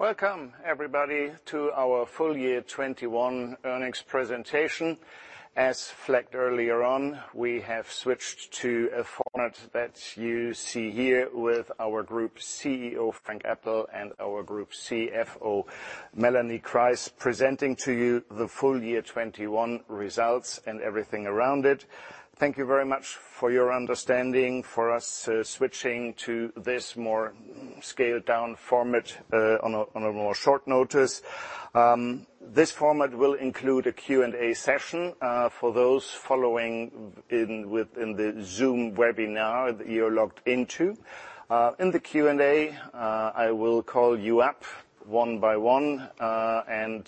Welcome everybody to our full year 2021 earnings presentation. As flagged earlier on, we have switched to a format that you see here with our group CEO, Frank Appel, and our group CFO, Melanie Kreis, presenting to you the full year 2021 results and everything around it. Thank you very much for your understanding for us switching to this more scaled down format on a shorter notice. This format will include a Q&A session for those following within the Zoom webinar that you're logged into. In the Q&A, I will call you up one by one, and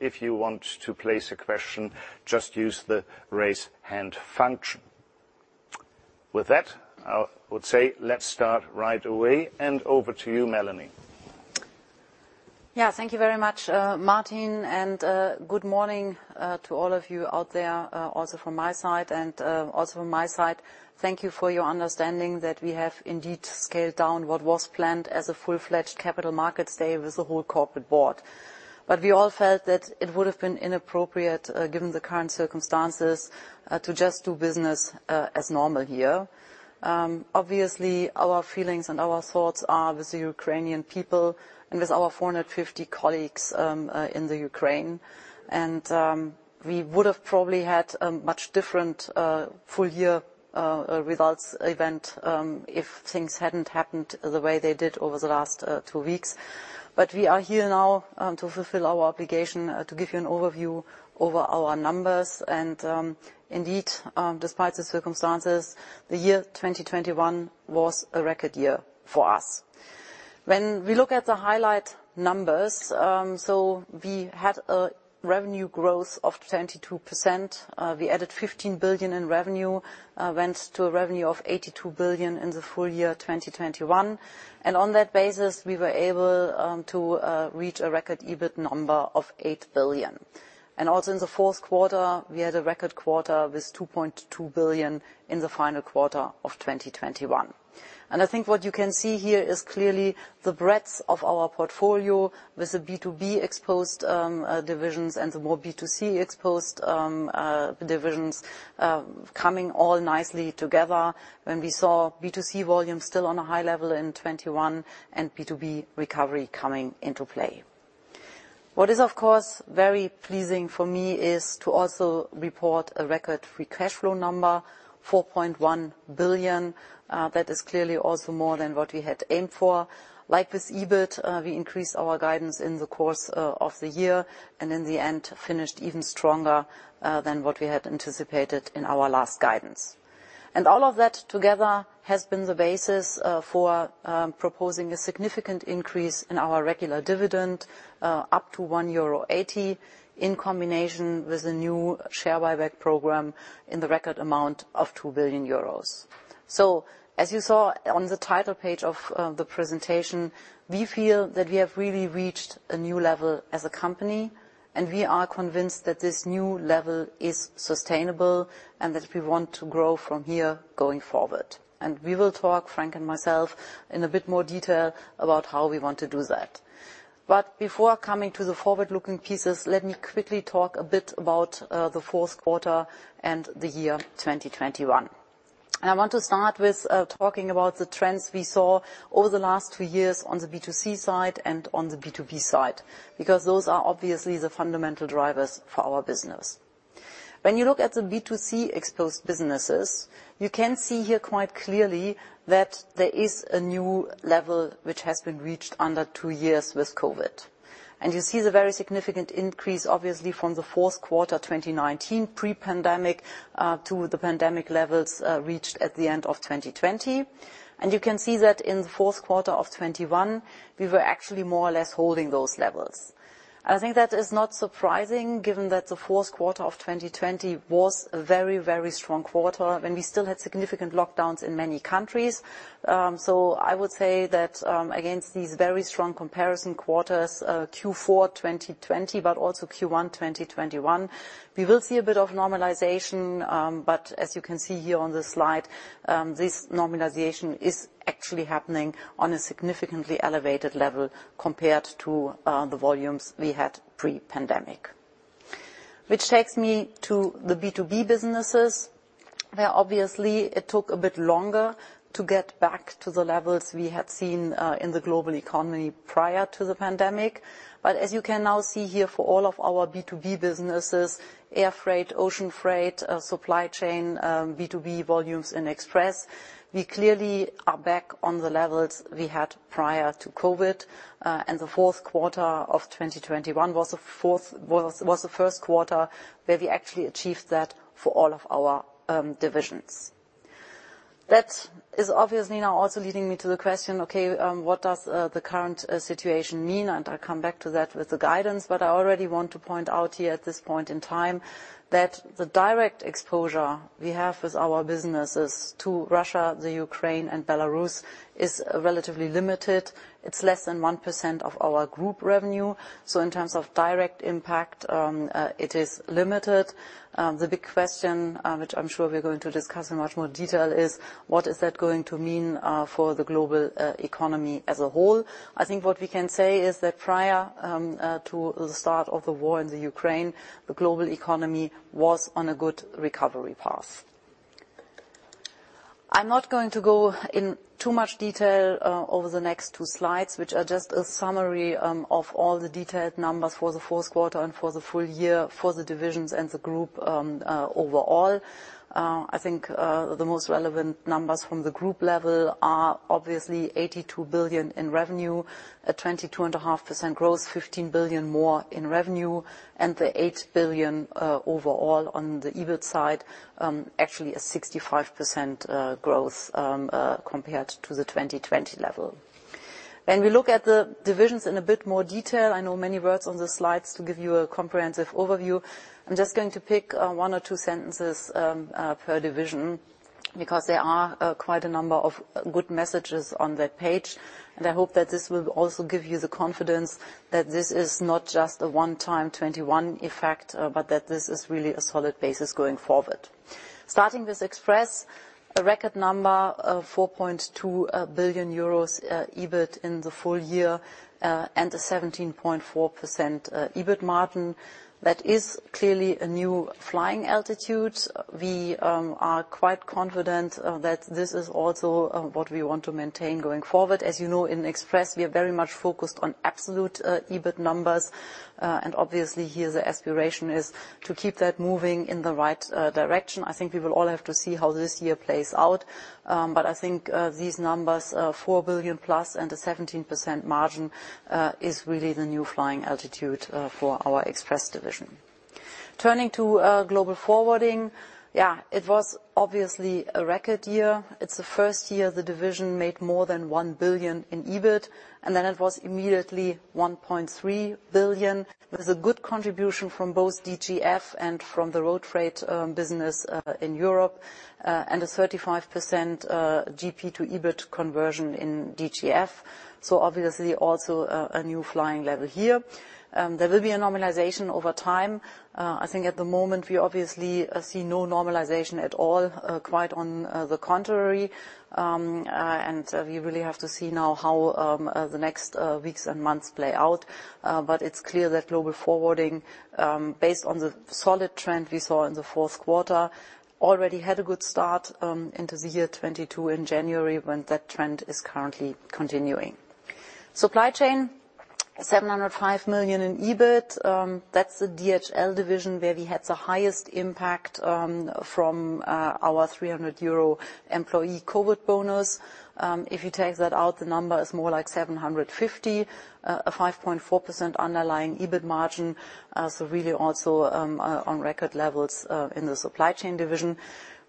if you want to place a question just use the Raise Hand function. With that, I would say let's start right away, and over to you, Melanie. Yeah. Thank you very much, Martin, and good morning to all of you out there also from my side. Also from my side, thank you for your understanding that we have indeed scaled down what was planned as a full-fledged capital markets day with the whole corporate board. We all felt that it would have been inappropriate, given the current circumstances, to just do business as normal here. Obviously, our feelings and our thoughts are with the Ukrainian people and with our 450 colleagues in the Ukraine. We would have probably had a much different full-year results event if things hadn't happened the way they did over the last two weeks. We are here now to fulfill our obligation to give you an overview of our numbers. Indeed, despite the circumstances, the year 2021 was a record year for us. When we look at the highlight numbers, so we had a revenue growth of 22%. We added 15 billion in revenue, went to a revenue of 82 billion in the full year 2021. On that basis, we were able to reach a record EBIT number of 8 billion. Also in the Q4, we had a record quarter with 2.2 billion in the final quarter of 2021. I think what you can see here is clearly the breadth of our portfolio with the B2B exposed divisions and the more B2C exposed divisions coming all nicely together when we saw B2C volumes still on a high level in 2021, and B2B recovery coming into play. What is, of course, very pleasing for me is to also report a record free cash flow number, 4.1 billion. That is clearly also more than what we had aimed for. Like with EBIT, we increased our guidance in the course of the year, and in the end finished even stronger than what we had anticipated in our last guidance. All of that together has been the basis for proposing a significant increase in our regular dividend up to 1.80 euro in combination with the new share buyback program in the record amount of 2 billion euros. As you saw on the title page of the presentation, we feel that we have really reached a new level as a company, and we are convinced that this new level is sustainable and that we want to grow from here going forward. We will talk, Frank and myself, in a bit more detail about how we want to do that. Before coming to the forward-looking pieces, let me quickly talk a bit about the Q4 and the year 2021. I want to start with talking about the trends we saw over the last two years on the B2C side and on the B2B side, because those are obviously the fundamental drivers for our business. When you look at the B2C exposed businesses, you can see here quite clearly that there is a new level which has been reached under two years with COVID. You see the very significant increase, obviously, from the Q4 2019 pre-pandemic to the pandemic levels reached at the end of 2020. You can see that in the Q4 of 2021, we were actually more or less holding those levels. I think that is not surprising given that the Q4 of 2020 was a very, very strong quarter when we still had significant lockdowns in many countries. I would say that against these very strong comparison quarters, Q4 2020, but also Q1 2021, we will see a bit of normalization. As you can see here on this slide, this normalization is actually happening on a significantly elevated level compared to the volumes we had pre-pandemic. Which takes me to the B2B businesses, where obviously it took a bit longer to get back to the levels we had seen in the global economy prior to the pandemic. As you can now see here for all of our B2B businesses, air freight, ocean freight, supply chain, B2B volumes, and express, we clearly are back on the levels we had prior to COVID. The Q4 of 2021 was the Q1 where we actually achieved that for all of our divisions. That is obviously now also leading me to the question, okay, what does the current situation mean? I'll come back to that with the guidance. I already want to point out here at this point in time that the direct exposure we have with our businesses to Russia, the Ukraine, and Belarus is relatively limited. It's less than 1% of our group revenue. In terms of direct impact, it is limited. The big question, which I'm sure we're going to discuss in much more detail, is what is that going to mean for the global economy as a whole? I think what we can say is that prior to the start of the war in the Ukraine, the global economy was on a good recovery path. I'm not going to go in too much detail over the next two slides, which are just a summary of all the detailed numbers for the Q4 and for the full year for the divisions and the group overall. I think the most relevant numbers from the group level are obviously 82 billion in revenue, a 22.5% growth, 15 billion more in revenue, and the 8 billion overall on the EBIT side, actually a 65% growth compared to the 2020 level. When we look at the divisions in a bit more detail, I know many words on the slides to give you a comprehensive overview. I'm just going to pick one or two sentences per division because there are quite a number of good messages on that page, and I hope that this will also give you the confidence that this is not just a one-time 2021 effect, but that this is really a solid basis going forward. Starting with Express, a record number of 4.2 billion euros EBIT in the full year, and a 17.4% EBIT margin. That is clearly a new flying altitude. We are quite confident that this is also what we want to maintain going forward. As you know, in Express, we are very much focused on absolute EBIT numbers, and obviously here the aspiration is to keep that moving in the right direction. I think we will all have to see how this year plays out. I think these numbers, 4 billion+ and a 17% margin, is really the new flying altitude for our Express division. Turning to Global Forwarding, yeah, it was obviously a record year. It's the first year the division made more than 1 billion in EBIT, and then it was immediately 1.3 billion. There's a good contribution from both DGF and from the road freight business in Europe and a 35% GP to EBIT conversion in DGF. Obviously also a new flying level here. There will be a normalization over time. I think at the moment we obviously see no normalization at all, quite on the contrary. We really have to see now how the next weeks and months play out. It's clear that Global Forwarding, based on the solid trend we saw in the Q4, already had a good start into 2022 in January, when that trend is currently continuing. Supply Chain, 705 million in EBIT. That's the DHL division where we had the highest impact from our 300 euro employee COVID bonus. If you take that out, the number is more like 750 million, a 5.4% underlying EBIT margin, so really also on record levels in the Supply Chain division.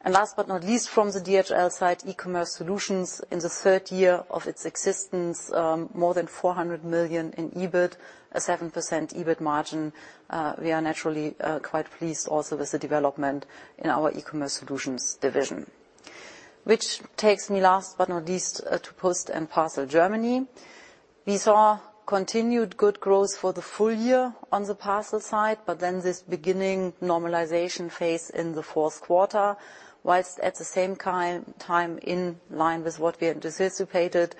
Last but not least from the DHL side, eCommerce Solutions in the third year of its existence, more than 400 million in EBIT, a 7% EBIT margin. We are naturally quite pleased also with the development in our eCommerce Solutions division, which takes me last but not least to Post & Parcel Germany. We saw continued good growth for the full year on the parcel side, but then this beginning normalization phase in the Q4, whilst at the same time in line with what we had anticipated.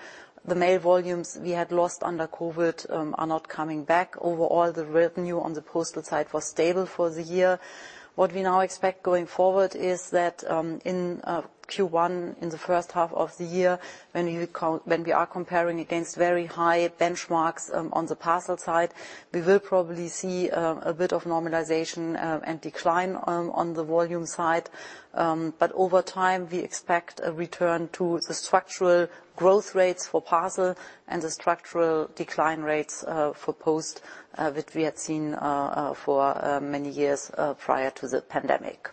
The mail volumes we had lost under COVID are not coming back. Overall, the revenue on the postal side was stable for the year. What we now expect going forward is that, in Q1, in the H1 of the year, when we are comparing against very high benchmarks, on the parcel side, we will probably see a bit of normalization and decline on the volume side. Over time, we expect a return to the structural growth rates for parcel and the structural decline rates for post that we had seen for many years prior to the pandemic.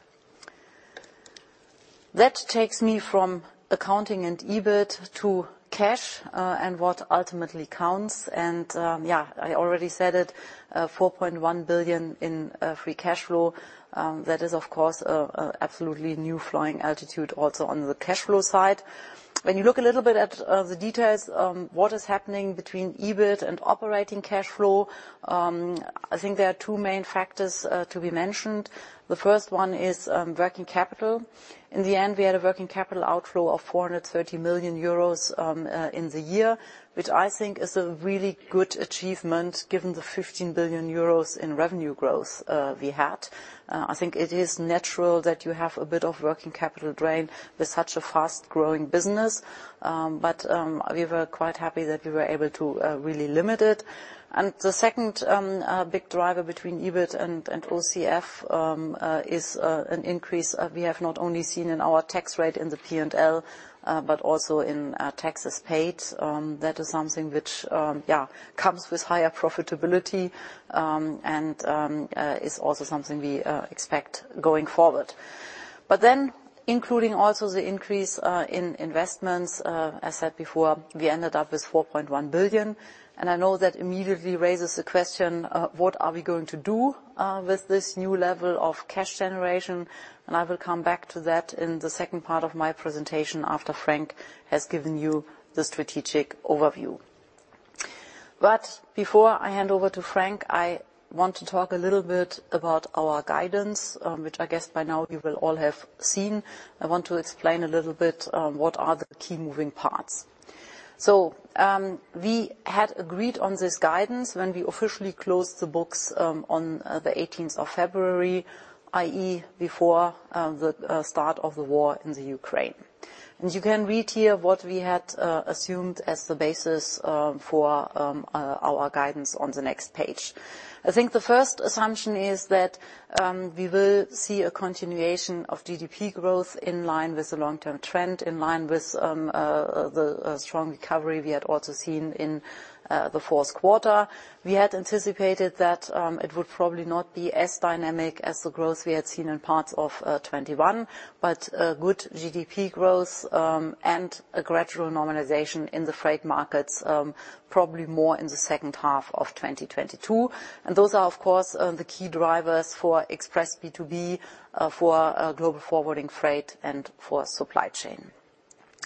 That takes me from accounting and EBIT to cash and what ultimately counts. I already said it, 4.1 billion in free cash flow. That is, of course, an absolutely new flying altitude also on the cash flow side. When you look a little bit at the details, what is happening between EBIT and operating cash flow, I think there are two main factors to be mentioned. The first one is working capital. In the end, we had a working capital outflow of 430 million euros in the year, which I think is a really good achievement given the 15 billion euros in revenue growth we had. I think it is natural that you have a bit of working capital drain with such a fast-growing business. We were quite happy that we were able to really limit it. The second big driver between EBIT and OCF is an increase we have not only seen in our tax rate in the P&L but also in taxes paid. That is something which comes with higher profitability and is also something we expect going forward. Including also the increase in investments, as said before, we ended up with 4.1 billion. I know that immediately raises the question, what are we going to do with this new level of cash generation. I will come back to that in the second part of my presentation after Frank has given you the strategic overview. Before I hand over to Frank, I want to talk a little bit about our guidance, which I guess by now you will all have seen. I want to explain a little bit what are the key moving parts. We had agreed on this guidance when we officially closed the books on the February 18, i.e. before the start of the war in Ukraine. You can read here what we had assumed as the basis for our guidance on the next page. I think the first assumption is that we will see a continuation of GDP growth in line with the long-term trend, in line with the strong recovery we had also seen in the Q4. We had anticipated that it would probably not be as dynamic as the growth we had seen in parts of 2021. Good GDP growth and a gradual normalization in the freight markets probably more in the H2 of 2022. Those are, of course, the key drivers for Express B2B, for Global Forwarding, Freight, and for Supply Chain.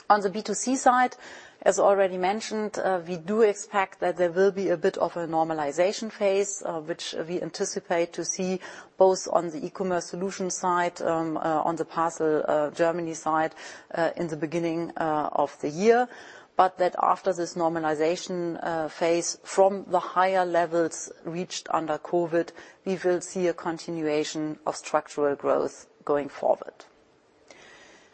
On the B2C side, as already mentioned, we do expect that there will be a bit of a normalization phase which we anticipate to see both on the eCommerce Solutions side, on the Post & Parcel Germany side, in the beginning of the year. After this normalization phase from the higher levels reached under COVID, we will see a continuation of structural growth going forward.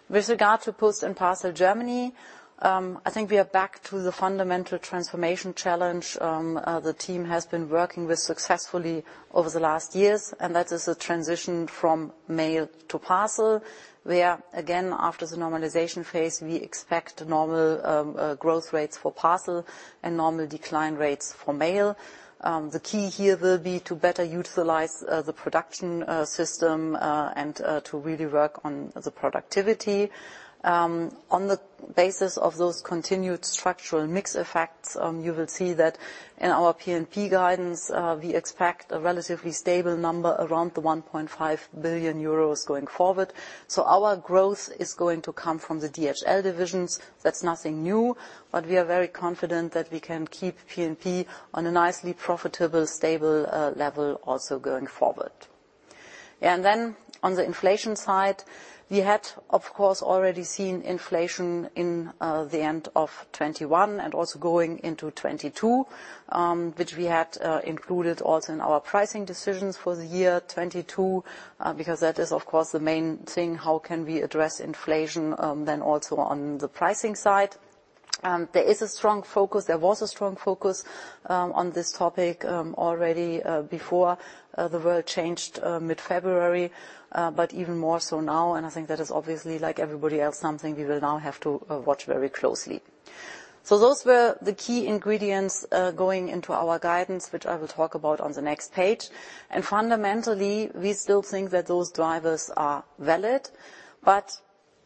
With regard to Post and Parcel Germany, I think we are back to the fundamental transformation challenge, the team has been working with successfully over the last years, and that is a transition from mail to parcel, where, again, after the normalization phase, we expect normal growth rates for parcel and normal decline rates for mail. The key here will be to better utilize the production system and to really work on the productivity. On the basis of those continued structural mix effects, you will see that in our P&P guidance, we expect a relatively stable number around 1.5 billion euros going forward. Our growth is going to come from the DHL divisions. That's nothing new. We are very confident that we can keep P&P on a nicely profitable, stable level also going forward. Then on the inflation side, we had, of course, already seen inflation in the end of 2021 and also going into 2022, which we had included also in our pricing decisions for the year 2022, because that is, of course, the main thing, how can we address inflation, then also on the pricing side? There is a strong focus, there was a strong focus, on this topic already before the world changed mid-February, but even more so now. I think that is obviously, like everybody else, something we will now have to watch very closely. Those were the key ingredients going into our guidance, which I will talk about on the next page. Fundamentally, we still think that those drivers are valid, but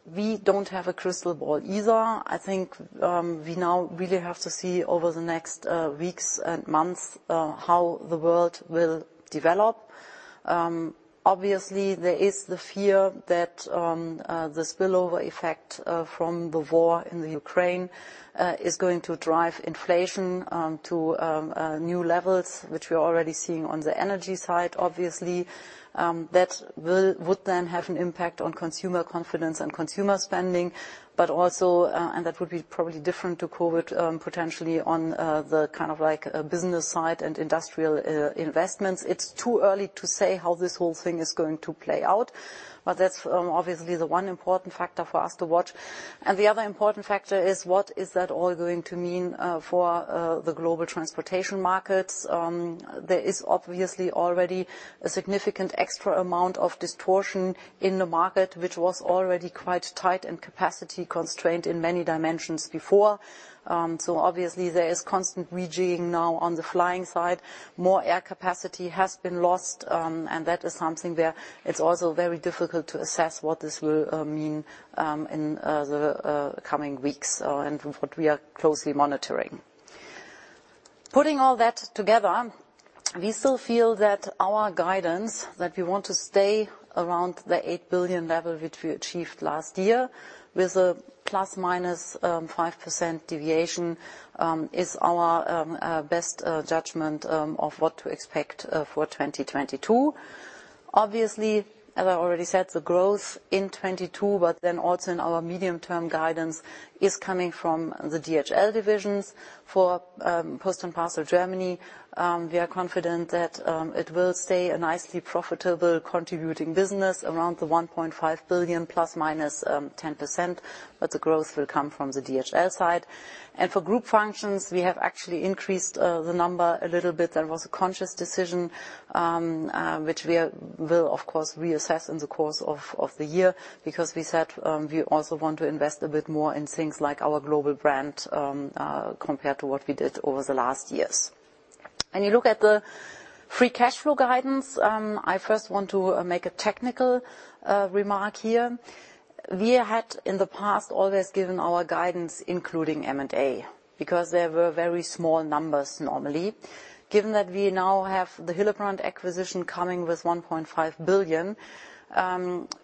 we don't have a crystal ball either. I think, we now really have to see over the next weeks and months how the world will develop. Obviously, there is the fear that the spillover effect from the war in the Ukraine is going to drive inflation to new levels, which we're already seeing on the energy side, obviously. That would then have an impact on consumer confidence and consumer spending, but also and that would be probably different to COVID, potentially on the kind of like business side and industrial investments. It's too early to say how this whole thing is going to play out, but that's obviously the one important factor for us to watch. The other important factor is, what is that all going to mean for the global transportation markets? There is obviously already a significant extra amount of distortion in the market, which was already quite tight and capacity-constrained in many dimensions before. Obviously, there is constant rejigging now on the flying side. More air capacity has been lost, and that is something where it is also very difficult to assess what this will mean in the coming weeks, and what we are closely monitoring. Putting all that together, we still feel that our guidance, that we want to stay around the 8 billion level which we achieved last year, with a ±5% deviation, is our best judgment of what to expect for 2022. Obviously, as I already said, the growth in 2022, but then also in our medium-term guidance, is coming from the DHL divisions. For Post & Parcel Germany, we are confident that it will stay a nicely profitable contributing business around the 1.5 billion ±10%, but the growth will come from the DHL side. For Group Functions, we have actually increased the number a little bit. That was a conscious decision which we will of course reassess in the course of the year, because we said we also want to invest a bit more in things like our global brand compared to what we did over the last years. When you look at the free cash flow guidance, I first want to make a technical remark here. We had, in the past, always given our guidance including M&A, because they were very small numbers normally. Given that we now have the Hillebrand acquisition coming with 1.5 billion,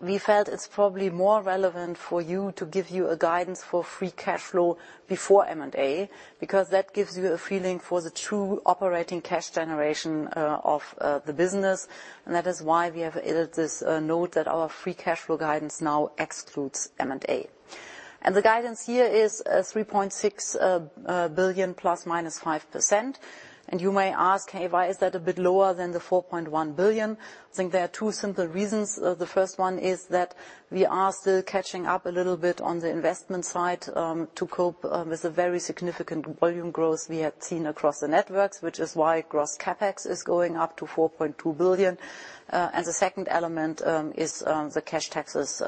we felt it's probably more relevant for you to give you a guidance for free cash flow before M&A. Because that gives you a feeling for the true operating cash generation of the business, and that is why we have added this note that our free cash flow guidance now excludes M&A. The guidance here is 3.6 billion ±5%. You may ask, hey, why is that a bit lower than the 4.1 billion? I think there are two simple reasons. The first one is that we are still catching up a little bit on the investment side, to cope with the very significant volume growth we have seen across the networks, which is why gross CapEx is going up to 4.2 billion. The second element is the cash taxes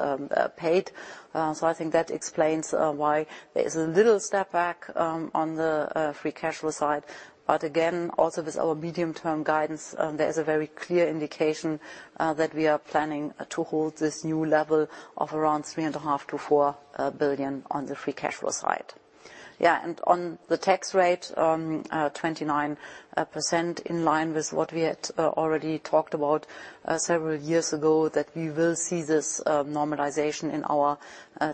paid. I think that explains why there is a little step back on the free cash flow side. Again, also with our medium-term guidance, there is a very clear indication that we are planning to hold this new level of around 3.5 billion-4 billion on the free cash flow side. Yeah, on the tax rate, 29%, in line with what we had already talked about several years ago, that we will see this normalization in our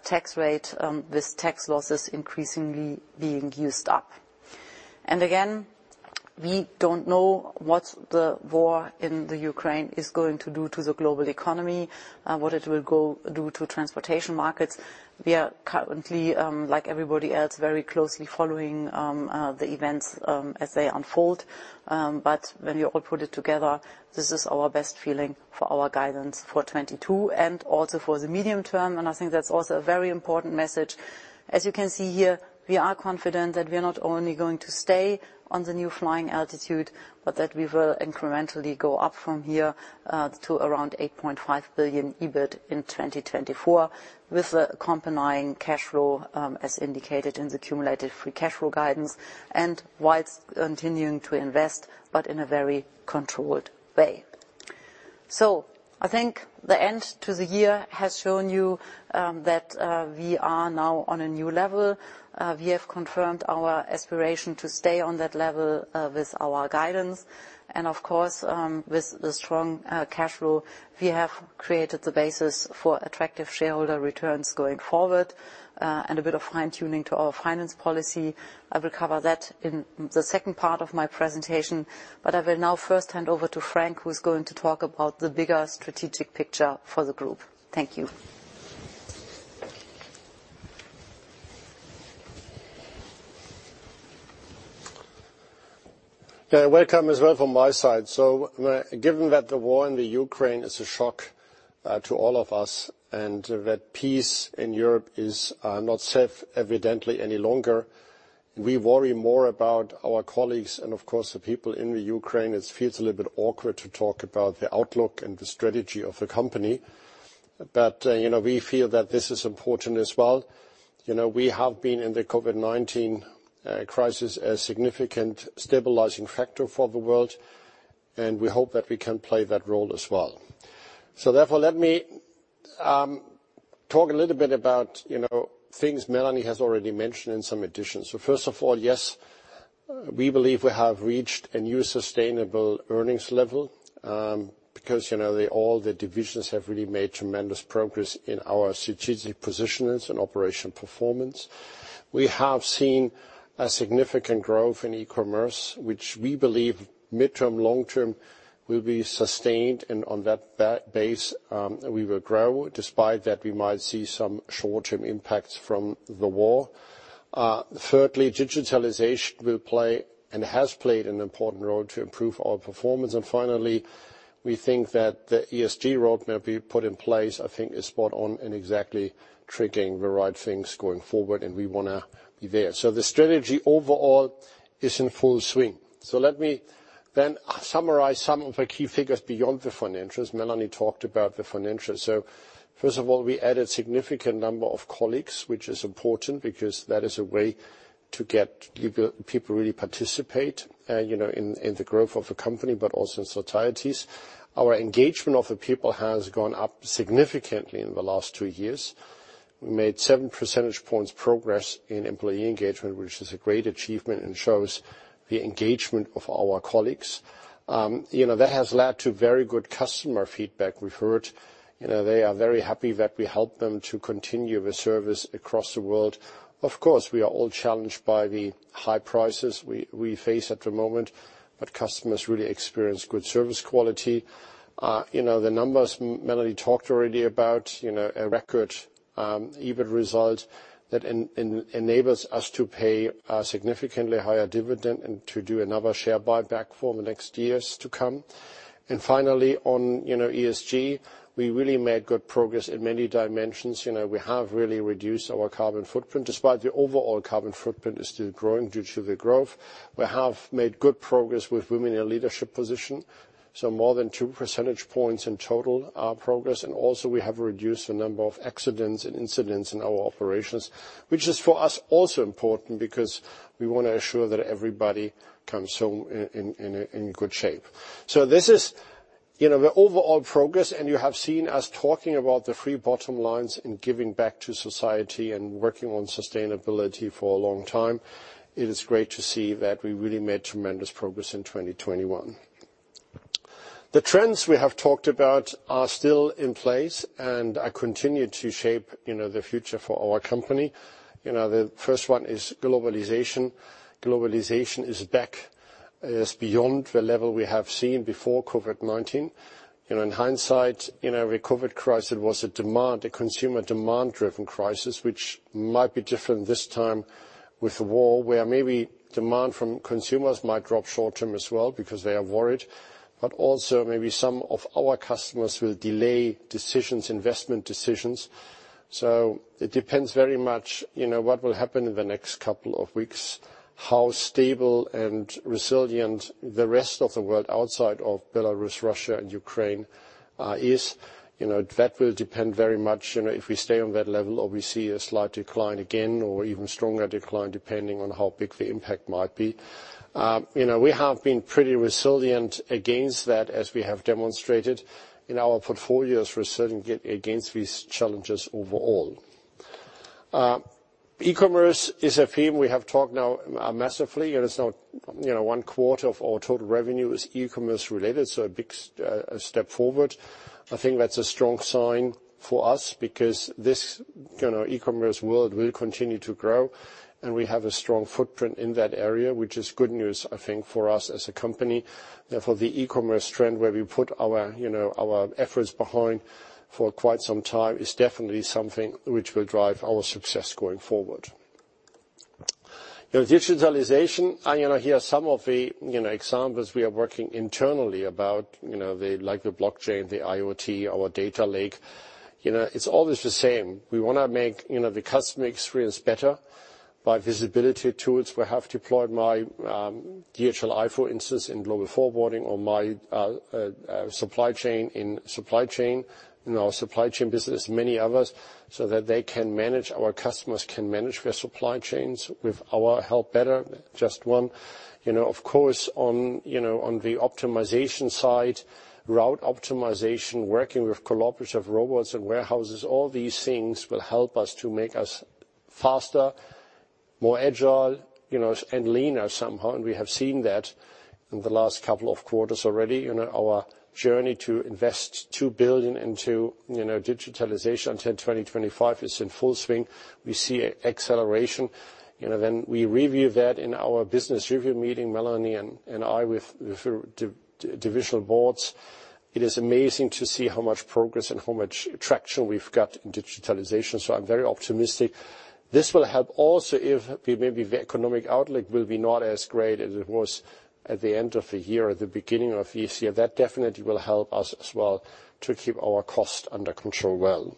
tax rate with tax losses increasingly being used up. Again, we don't know what the war in Ukraine is going to do to the global economy, what it will do to transportation markets. We are currently, like everybody else, very closely following the events as they unfold. When you all put it together, this is our best feeling for our guidance for 2022 and also for the medium term. I think that's also a very important message. As you can see here, we are confident that we are not only going to stay on the new flying altitude, but that we will incrementally go up from here to around 8.5 billion EBIT in 2024, with the accompanying cash flow as indicated in the cumulative free cash flow guidance, whilst continuing to invest, but in a very controlled way. I think the end of the year has shown you that we are now on a new level. We have confirmed our aspiration to stay on that level with our guidance. Of course, with the strong cash flow, we have created the basis for attractive shareholder returns going forward and a bit of fine-tuning to our financial policy. I will cover that in the second part of my presentation. I will now first hand over to Frank, who's going to talk about the bigger strategic picture for the group. Thank you. Yeah, welcome as well from my side. Given that the war in the Ukraine is a shock to all of us, and that peace in Europe is not safe evidently any longer, we worry more about our colleagues and of course the people in the Ukraine. It feels a little bit awkward to talk about the outlook and the strategy of the company. You know, we feel that this is important as well. You know, we have been in the COVID-19 crisis a significant stabilizing factor for the world, and we hope that we can play that role as well. Therefore, let me talk a little bit about, you know, things Melanie has already mentioned and some additions. First of all, yes, we believe we have reached a new sustainable earnings level, because, you know, all the divisions have really made tremendous progress in our strategic positions and operational performance. We have seen a significant growth in e-commerce, which we believe mid-term, long-term will be sustained, and on that base, we will grow, despite that we might see some short-term impacts from the war. Thirdly, digitalization will play and has played an important role to improve our performance. Finally, we think that the ESG roadmap we put in place, I think is spot on in exactly triggering the right things going forward, and we wanna be there. The strategy overall is in full swing. Let me then summarize some of the key figures beyond the financials. Melanie talked about the financials. First of all, we added significant number of colleagues, which is important because that is a way to get people really participate, you know, in the growth of the company, but also in societies. Our engagement of the people has gone up significantly in the last two years. We made 7 percentage points progress in employee engagement, which is a great achievement and shows the engagement of our colleagues. You know, that has led to very good customer feedback. We've heard, you know, they are very happy that we help them to continue with service across the world. Of course, we are all challenged by the high prices we face at the moment, but customers really experience good service quality. You know, the numbers Melanie talked already about, you know, a record EBIT result that enables us to pay a significantly higher dividend and to do another share buyback for the next years to come. Finally, you know, on ESG, we really made good progress in many dimensions. You know, we have really reduced our carbon footprint, despite the overall carbon footprint is still growing due to the growth. We have made good progress with women in leadership position, so more than 2 percentage points in total, progress. Also, we have reduced the number of accidents and incidents in our operations, which is for us also important because we want to ensure that everybody comes home in good shape. This is, you know, the overall progress, and you have seen us talking about the three bottom lines and giving back to society and working on sustainability for a long time. It is great to see that we really made tremendous progress in 2021. The trends we have talked about are still in place and are continued to shape, you know, the future for our company. You know, the first one is globalization. Globalization is back. It is beyond the level we have seen before COVID-19. You know, in hindsight, you know, the COVID crisis was a demand, a consumer demand driven crisis, which might be different this time with the war, where maybe demand from consumers might drop short-term as well because they are worried. Also, maybe some of our customers will delay decisions, investment decisions. It depends very much what will happen in the next couple of weeks, how stable and resilient the rest of the world outside of Belarus, Russia and Ukraine is. That will depend very much if we stay on that level or we see a slight decline again, or even stronger decline depending on how big the impact might be. We have been pretty resilient against that, as we have demonstrated our portfolio's resilience against these challenges overall. E-commerce is a theme we have talked about massively and it's now 1/4 of our total revenue is e-commerce related, so a big step forward. I think that's a strong sign for us because this, you know, e-commerce world will continue to grow and we have a strong footprint in that area, which is good news, I think, for us as a company. Therefore, the e-commerce trend where we put our, you know, our efforts behind for quite some time is definitely something which will drive our success going forward. You know, digitalization, and you know, here are some of the, you know, examples we are working internally about, you know, the, like the blockchain, the IoT, our data lake. You know, it's always the same. We wanna make, you know, the customer experience better by visibility tools. We have deployed DHL for instance in Global Forwarding or in Supply Chain, in our Supply Chain business, many others, so that our customers can manage their supply chains with our help better. Just one. You know, of course, on the optimization side, route optimization, working with collaborative robots in warehouses, all these things will help us to make us faster, more agile, you know, and leaner somehow, and we have seen that in the last couple of quarters already. You know, our journey to invest 2 billion into digitalization until 2025 is in full swing. We see acceleration. You know, when we review that in our business review meeting, Melanie and I with sub-divisional boards, it is amazing to see how much progress and how much traction we've got in digitalization. I'm very optimistic. This will help also if maybe the economic outlook will be not as great as it was at the end of the year or the beginning of this year. That definitely will help us as well to keep our costs under control well.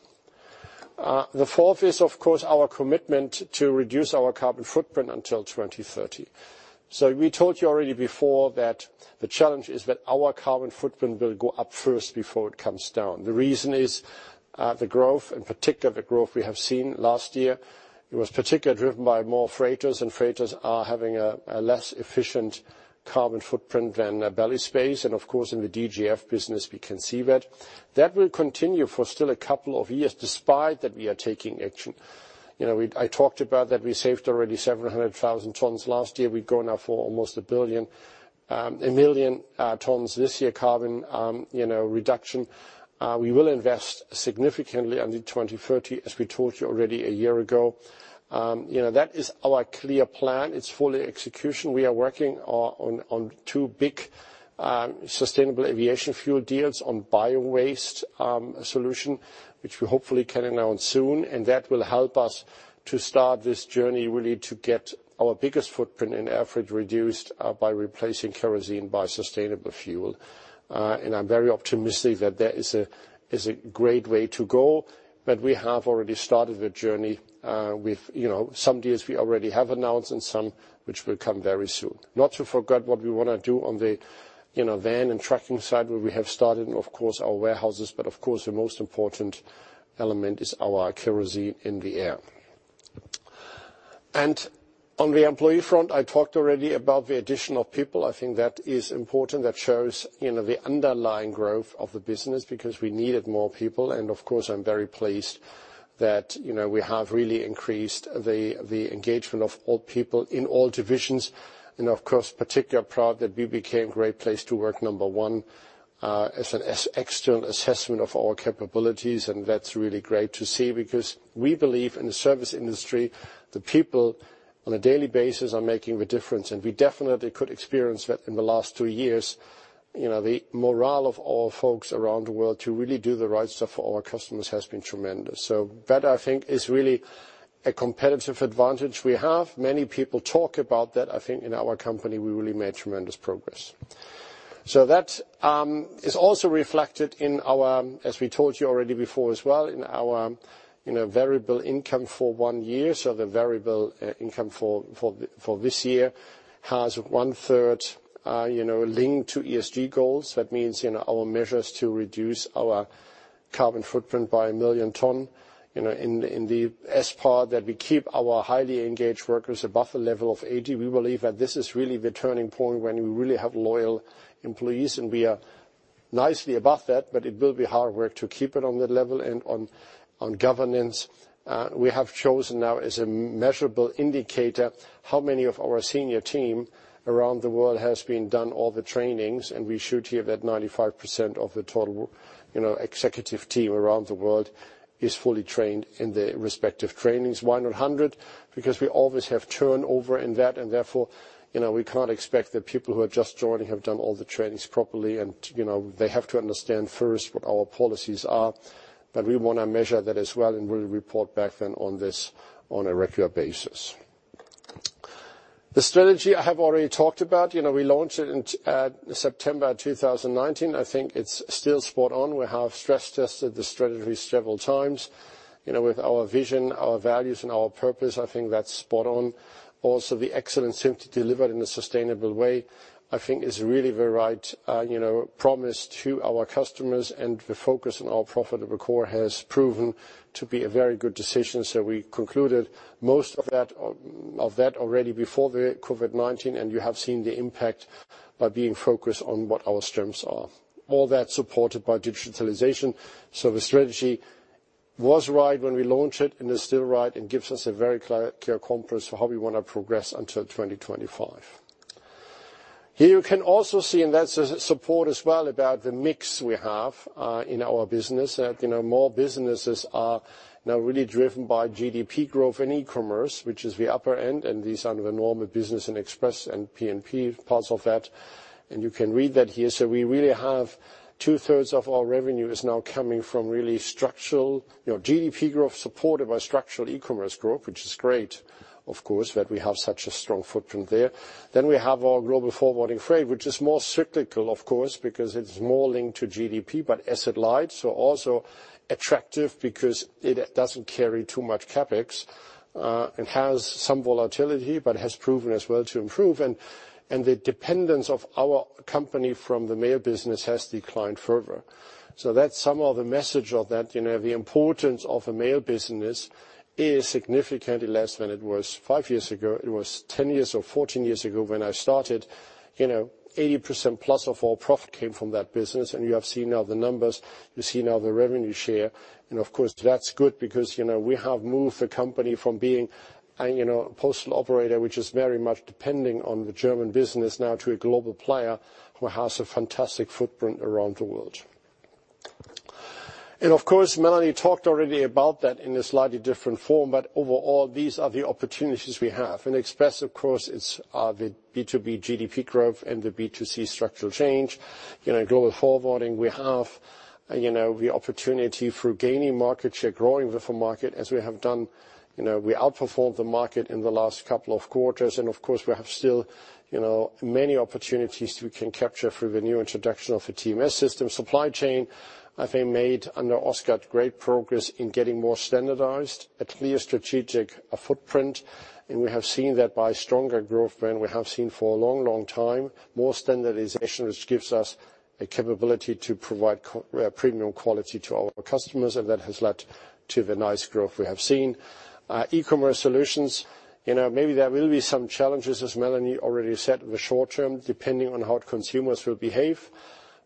The fourth is, of course, our commitment to reduce our carbon footprint until 2030. We told you already before that the challenge is that our carbon footprint will go up first before it comes down. The reason is the growth, in particular the growth we have seen last year. It was particularly driven by more freighters, and freighters are having a less efficient carbon footprint than belly space. Of course, in the DGF business, we can see that. That will continue for still a couple of years, despite that we are taking action. You know, I talked about that we saved already 700,000 tons last year. We're going now for almost 1 million tons this year carbon, you know, reduction. We will invest significantly under 2030, as we told you already a year ago. You know, that is our clear plan. It's full execution. We are working on two big sustainable aviation fuel deals on biowaste solution, which we hopefully can announce soon, and that will help us to start this journey really to get our biggest footprint in air freight reduced by replacing kerosene by sustainable fuel. I'm very optimistic that is a great way to go, but we have already started the journey with you know some deals we already have announced and some which will come very soon. Not to forget what we wanna do on the you know van and trucking side, where we have started, and of course, our warehouses, but of course, the most important element is our kerosene in the air. On the employee front, I talked already about the addition of people. I think that is important. That shows, you know, the underlying growth of the business because we needed more people. Of course, I'm very pleased that, you know, we have really increased the engagement of all people in all divisions. Of course, I'm particularly proud that we became Great Place to Work number one, as an external assessment of our capabilities, and that's really great to see because we believe in the service industry, the people on a daily basis are making the difference. We definitely could experience that in the last two years. You know, the morale of all folks around the world to really do the right stuff for our customers has been tremendous. That I think is really a competitive advantage we have. Many people talk about that. I think in our company, we really made tremendous progress. That is also reflected in our variable income for one year, as we told you already before as well. The variable income for this year has 1/3 linked to ESG goals, you know. That means our measures to reduce our carbon footprint by 1 million ton. You know, in the S part that we keep our highly engaged workers above the level of 80%, we believe that this is really the turning point when we really have loyal employees and we are nicely above that, but it will be hard work to keep it on that level. On governance, we have chosen now as a measurable indicator how many of our senior team around the world has been done all the trainings, and we should hear that 95% of the total, you know, executive team around the world is fully trained in the respective trainings. Why not 100? Because we always have turnover in that, and therefore, you know, we can't expect the people who are just joining have done all the trainings properly and, you know, they have to understand first what our policies are. But we wanna measure that as well, and we'll report back then on this on a regular basis. The strategy I have already talked about. You know, we launched it in September of 2019. I think it's still spot on. We have stress tested the strategy several times. You know, with our vision, our values, and our purpose, I think that's spot on. Also, the excellence simply delivered in a sustainable way, I think is really the right, you know, promise to our customers and the focus on our profitable core has proven to be a very good decision. We concluded most of that already before the COVID-19, and you have seen the impact by being focused on what our strengths are. All that supported by digitalization. The strategy was right when we launched it, and is still right and gives us a very clear compass for how we wanna progress until 2025. Here you can also see, and that's support as well about the mix we have in our business. That, you know, more businesses are now really driven by GDP growth and e-commerce, which is the upper end, and these are the normal business and express and P&P parts of that. You can read that here. We really have 2/3 of our revenue is now coming from really structural, you know, GDP growth supported by structural e-commerce growth, which is great, of course, that we have such a strong footprint there. We have our Global Forwarding, Freight, which is more cyclical of course, because it's more linked to GDP, but asset light. Also attractive because it doesn't carry too much CapEx, and has some volatility, but has proven as well to improve. The dependence of our company from the mail business has declined further. That's some of the message of that. You know, the importance of a mail business is significantly less than it was five years ago. It was 10 years or 14 years ago when I started, you know, 80%+ of all profit came from that business, and you have seen now the numbers, you see now the revenue share. Of course, that's good because, you know, we have moved the company from being a, you know, a postal operator which is very much depending on the German business now to a global player who has a fantastic footprint around the world. Of course, Melanie talked already about that in a slightly different form. Overall, these are the opportunities we have. In Express, of course, it's the B2B GDP growth and the B2C structural change. You know, Global Forwarding, we have, you know, the opportunity through gaining market share, growing with the market as we have done. You know, we outperformed the market in the last couple of quarters. Of course, we have still, you know, many opportunities we can capture through the new introduction of the TMS system. Supply Chain, I think, made under Oscar great progress in getting more standardized, a clear strategic footprint. We have seen that by stronger growth than we have seen for a long, long time. More standardization, which gives us a capability to provide premium quality to our customers, and that has led to the nice growth we have seen. eCommerce Solutions, you know, maybe there will be some challenges, as Melanie already said, in the short term, depending on how consumers will behave.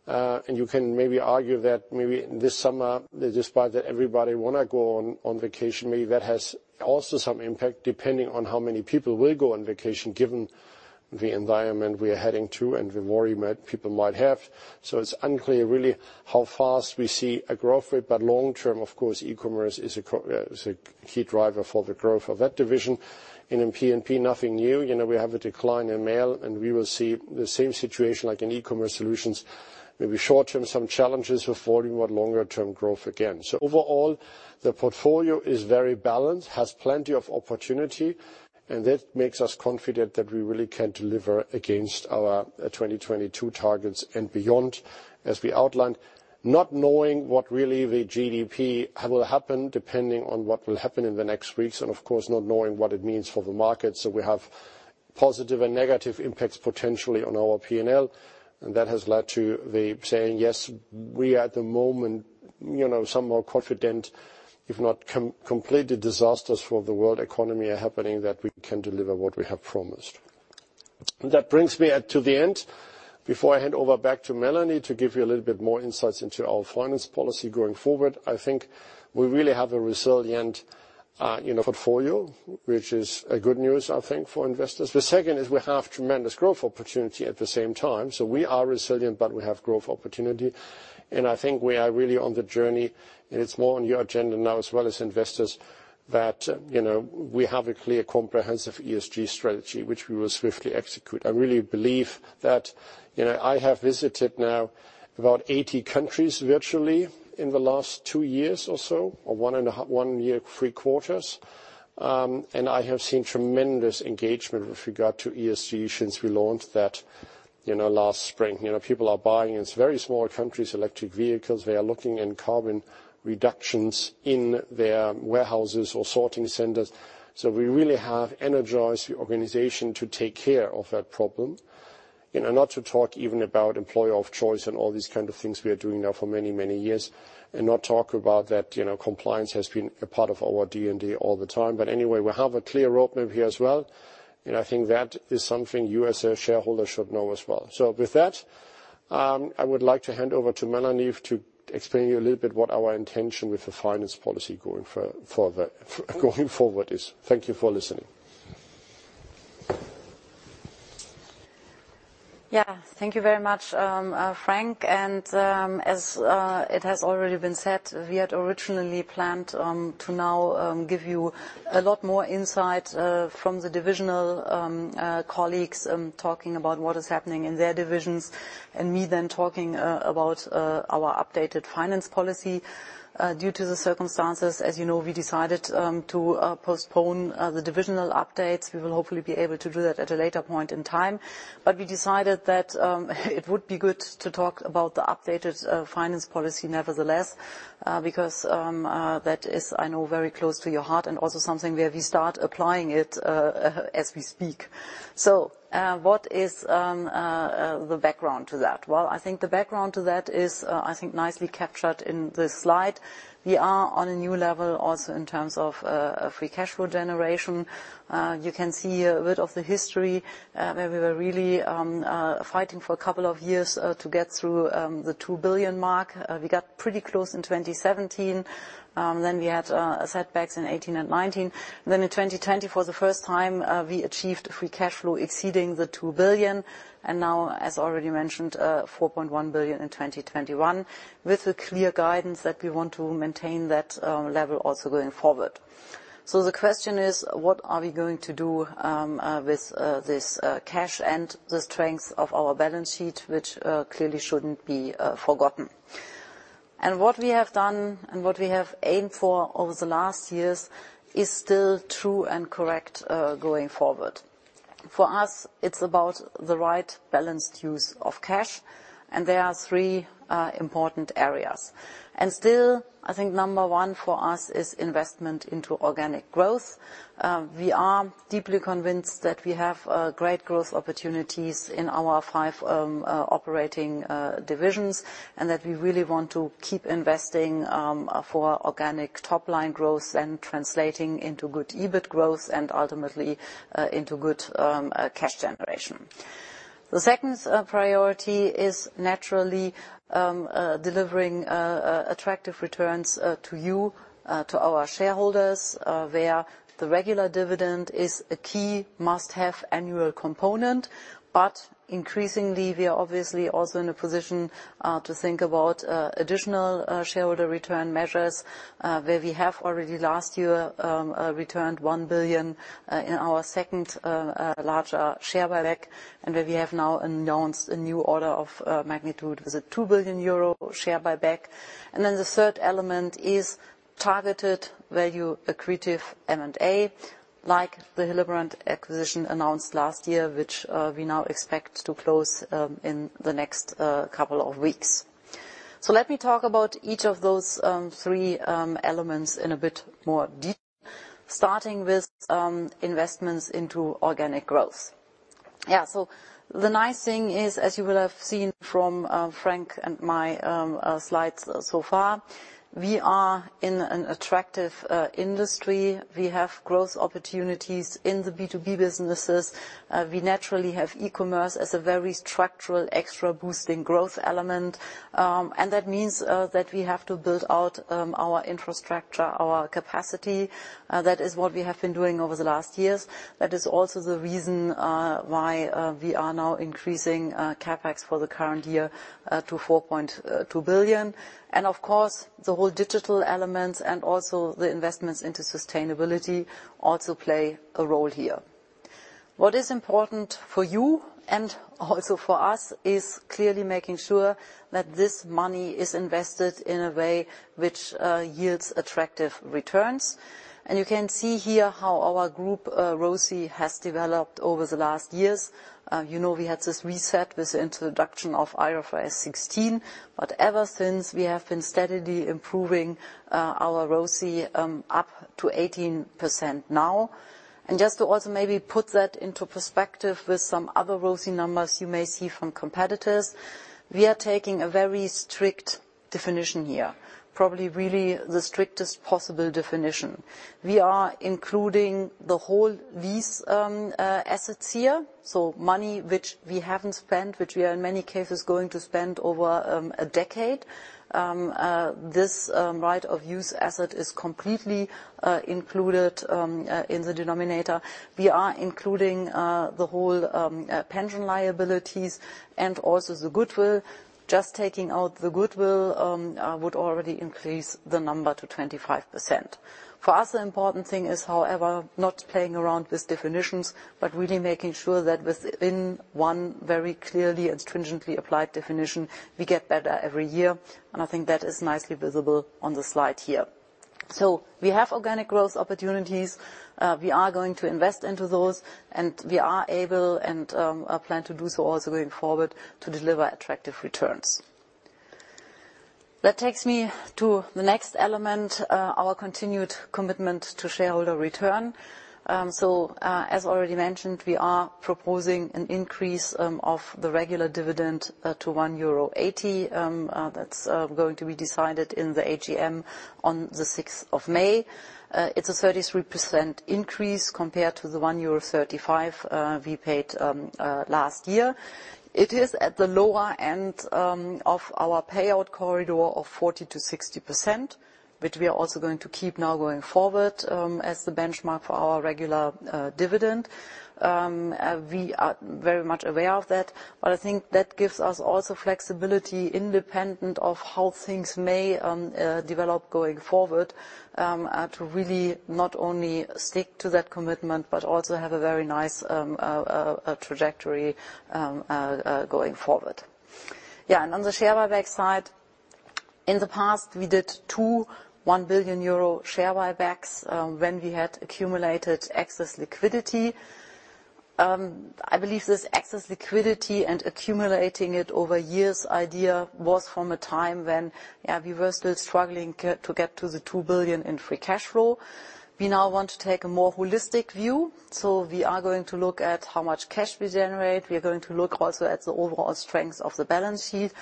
You can maybe argue that maybe this summer, despite that everybody wanna go on vacation, maybe that has also some impact, depending on how many people will go on vacation given the environment we are heading to and the worry people might have. It's unclear really how fast we see a growth rate. Long term, of course, e-commerce is a key driver for the growth of that division. In P&P, nothing new. You know, we have a decline in mail, and we will see the same situation like in eCommerce Solutions. Maybe short term, some challenges before we want longer-term growth again. Overall, the portfolio is very balanced, has plenty of opportunity, and that makes us confident that we really can deliver against our 2022 targets and beyond, as we outlined. Not knowing what the GDP will be depending on what will happen in the next weeks and of course, not knowing what it means for the market. We have positive and negative impacts potentially on our P&L. That has led us to say, yes, we are at the moment, you know, somewhat more confident if nothing completely disastrous for the world economy is happening, that we can deliver what we have promised. That brings me to the end. Before I hand over back to Melanie to give you a little bit more insights into our financial policy going forward, I think we really have a resilient, you know, portfolio, which is good news, I think, for investors. The second is we have tremendous growth opportunity at the same time. We are resilient, but we have growth opportunity. I think we are really on the journey, and it's more on your agenda now as well as investors that, you know, we have a clear comprehensive ESG strategy which we will swiftly execute. I really believe that, you know, I have visited now about 80 countries virtually in the last two years or so, one year, 3/4. I have seen tremendous engagement with regard to ESG since we launched that, you know, last spring. You know, people are buying in very small countries electric vehicles. They are looking in carbon reductions in their warehouses or sorting centers. We really have energized the organization to take care of that problem. You know, not to talk even about employer of choice and all these kind of things we are doing now for many, many years, and not talk about that, you know, compliance has been a part of our DNA all the time. Anyway, we have a clear roadmap here as well, and I think that is something you as a shareholder should know as well. With that, I would like to hand over to Melanie to explain to you a little bit what our intention with the finance policy going forward is. Thank you for listening. Yeah. Thank you very much, Frank. As it has already been said, we had originally planned to now give you a lot more insight from the divisional colleagues talking about what is happening in their divisions, and me then talking about our updated finance policy. Due to the circumstances, as you know, we decided to postpone the divisional updates. We will hopefully be able to do that at a later point in time. We decided that it would be good to talk about the updated finance policy nevertheless, because that is, I know, very close to your heart and also something where we start applying it as we speak. What is the background to that? Well, I think the background to that is nicely captured in this slide. We are on a new level also in terms of free cash flow generation. You can see a bit of the history where we were really fighting for a couple of years to get through the 2 billion mark. We got pretty close in 2017, then we had setbacks in 2018 and 2019. Then in 2020, for the first time, we achieved free cash flow exceeding the 2 billion. Now, as already mentioned, 4.1 billion in 2021, with a clear guidance that we want to maintain that level also going forward. The question is, what are we going to do with this cash and the strength of our balance sheet, which clearly shouldn't be forgotten. What we have done and what we have aimed for over the last years is still true and correct going forward. For us, it's about the right balanced use of cash, and there are three important areas. Still, I think number one for us is investment into organic growth. We are deeply convinced that we have great growth opportunities in our five operating divisions, and that we really want to keep investing for organic top-line growth and translating into good EBIT growth and ultimately into good cash generation. The second priority is naturally delivering attractive returns to you, to our shareholders, where the regular dividend is a key must-have annual component. Increasingly, we are obviously also in a position to think about additional shareholder return measures, where we have already last year returned 1 billion in our second larger share buyback, and where we have now announced a new order of magnitude with a 2 billion euro share buyback. The third element is targeted value-accretive M&A, like the Hillebrand acquisition announced last year, which we now expect to close in the next couple of weeks. Let me talk about each of those three elements in a bit more detail, starting with investments into organic growth. The nice thing is, as you will have seen from Frank and my slides so far, we are in an attractive industry. We have growth opportunities in the B2B businesses. We naturally have e-commerce as a very structural extra boosting growth element. That means that we have to build out our infrastructure, our capacity. That is what we have been doing over the last years. That is also the reason why we are now increasing CapEx for the current year to 4.2 billion. Of course, the whole digital elements and also the investments into sustainability also play a role here. What is important for you and also for us is clearly making sure that this money is invested in a way which yields attractive returns. You can see here how our group ROSI has developed over the last years. You know, we had this reset with the introduction of IFRS 16. Ever since, we have been steadily improving our ROSI up to 18% now. Just to also maybe put that into perspective with some other ROSI numbers you may see from competitors, we are taking a very strict definition here, probably really the strictest possible definition. We are including the whole lease assets here, so money which we haven't spent, which we are in many cases going to spend over a decade. This right-of-use asset is completely included in the denominator. We are including the whole pension liabilities and also the goodwill. Just taking out the goodwill would already increase the number to 25%. For us, the important thing is, however, not playing around with definitions, but really making sure that within one very clearly and stringently applied definition, we get better every year. I think that is nicely visible on the slide here. We have organic growth opportunities. We are going to invest into those, and we are able to plan to do so also going forward, to deliver attractive returns. That takes me to the next element, our continued commitment to shareholder return. As already mentioned, we are proposing an increase of the regular dividend to 1.80 euro. That's going to be decided in the AGM on the sixth of May. It's a 33% increase compared to the 1.35 euro we paid last year. It is at the lower end of our payout corridor of 40%-60%, which we are also going to keep now going forward as the benchmark for our regular dividend. We are very much aware of that, but I think that gives us also flexibility independent of how things may develop going forward to really not only stick to that commitment, but also have a very nice trajectory going forward. Yeah, and on the share buyback side, in the past, we did two 1 billion euro share buybacks when we had accumulated excess liquidity. I believe this excess liquidity and accumulating it over years idea was from a time when we were still struggling to get to the 2 billion in free cash flow. We now want to take a more holistic view, so we are going to look at how much cash we generate. We are going to look also at the overall strength of the balance sheet.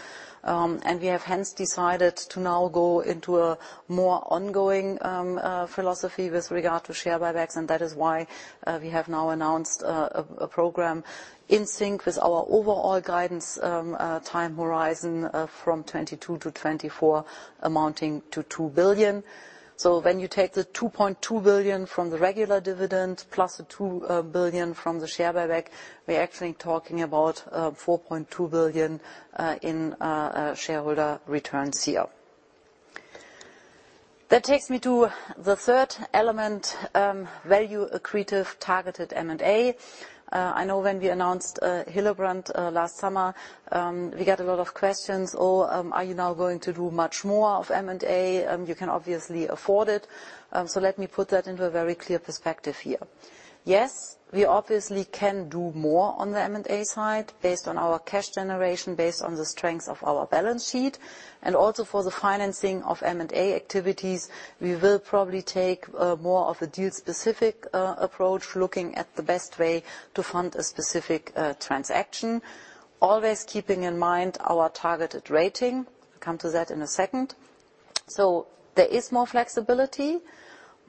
We have hence decided to now go into a more ongoing philosophy with regard to share buybacks, and that is why we have now announced a program in sync with our overall guidance time horizon from 2022 to 2024 amounting to 2 billion. When you take the 2.2 billion from the regular dividend plus the 2 billion from the share buyback, we're actually talking about 4.2 billion in shareholder returns here. That takes me to the third element, value accretive targeted M&A. I know when we announced Hillebrand last summer, we got a lot of questions. Oh, are you now going to do much more of M&A? You can obviously afford it. Let me put that into a very clear perspective here. Yes, we obviously can do more on the M&A side based on our cash generation, based on the strength of our balance sheet. Also for the financing of M&A activities, we will probably take more of a deal-specific approach, looking at the best way to fund a specific transaction, always keeping in mind our targeted rating. I'll come to that in a second. There is more flexibility,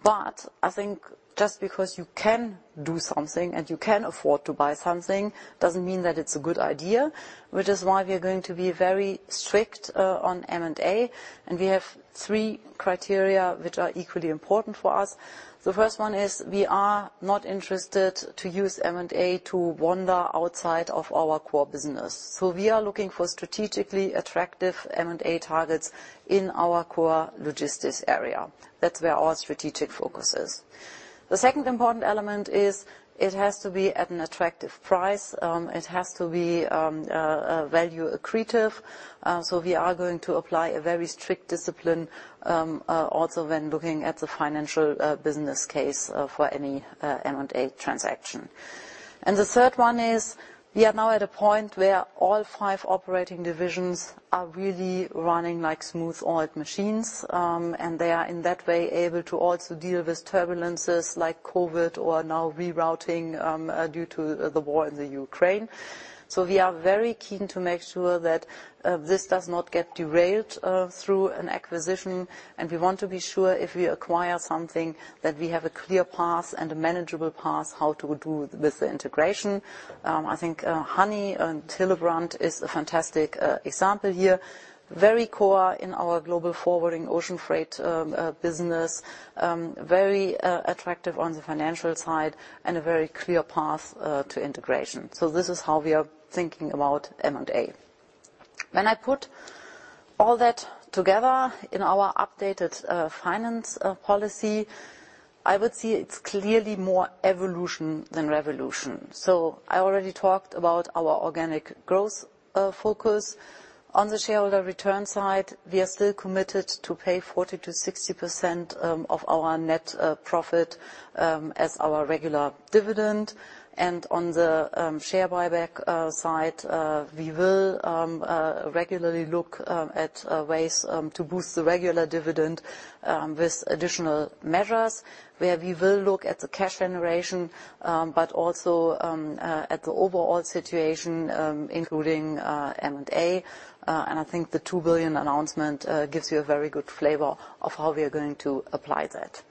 but I think just because you can do something and you can afford to buy something doesn't mean that it's a good idea, which is why we are going to be very strict on M&A. We have three criteria which are equally important for us. The first one is we are not interested to use M&A to wander outside of our core business. We are looking for strategically attractive M&A targets in our core logistics area. That's where our strategic focus is. The second important element is it has to be at an attractive price. It has to be value accretive. We are going to apply a very strict discipline also when looking at the financial business case for any M&A transaction. The third one is we are now at a point where all five operating divisions are really running like smooth oiled machines, and they are in that way able to also deal with turbulences like COVID or now rerouting due to the war in Ukraine. We are very keen to make sure that this does not get derailed through an acquisition, and we want to be sure if we acquire something that we have a clear path and a manageable path how to do with the integration. I think Hillebrand is a fantastic example here. Very core in our global forwarding ocean freight business. Very attractive on the financial side and a very clear path to integration. This is how we are thinking about M&A. When I put all that together in our updated financial policy, I would say it's clearly more evolution than revolution. I already talked about our organic growth focus. On the shareholder return side, we are still committed to pay 40%-60% of our net profit as our regular dividend. On the share buyback side, we will regularly look at ways to boost the regular dividend with additional measures, where we will look at the cash generation but also at the overall situation, including M&A. I think the 2 billion announcement gives you a very good flavor of how we are going to apply that.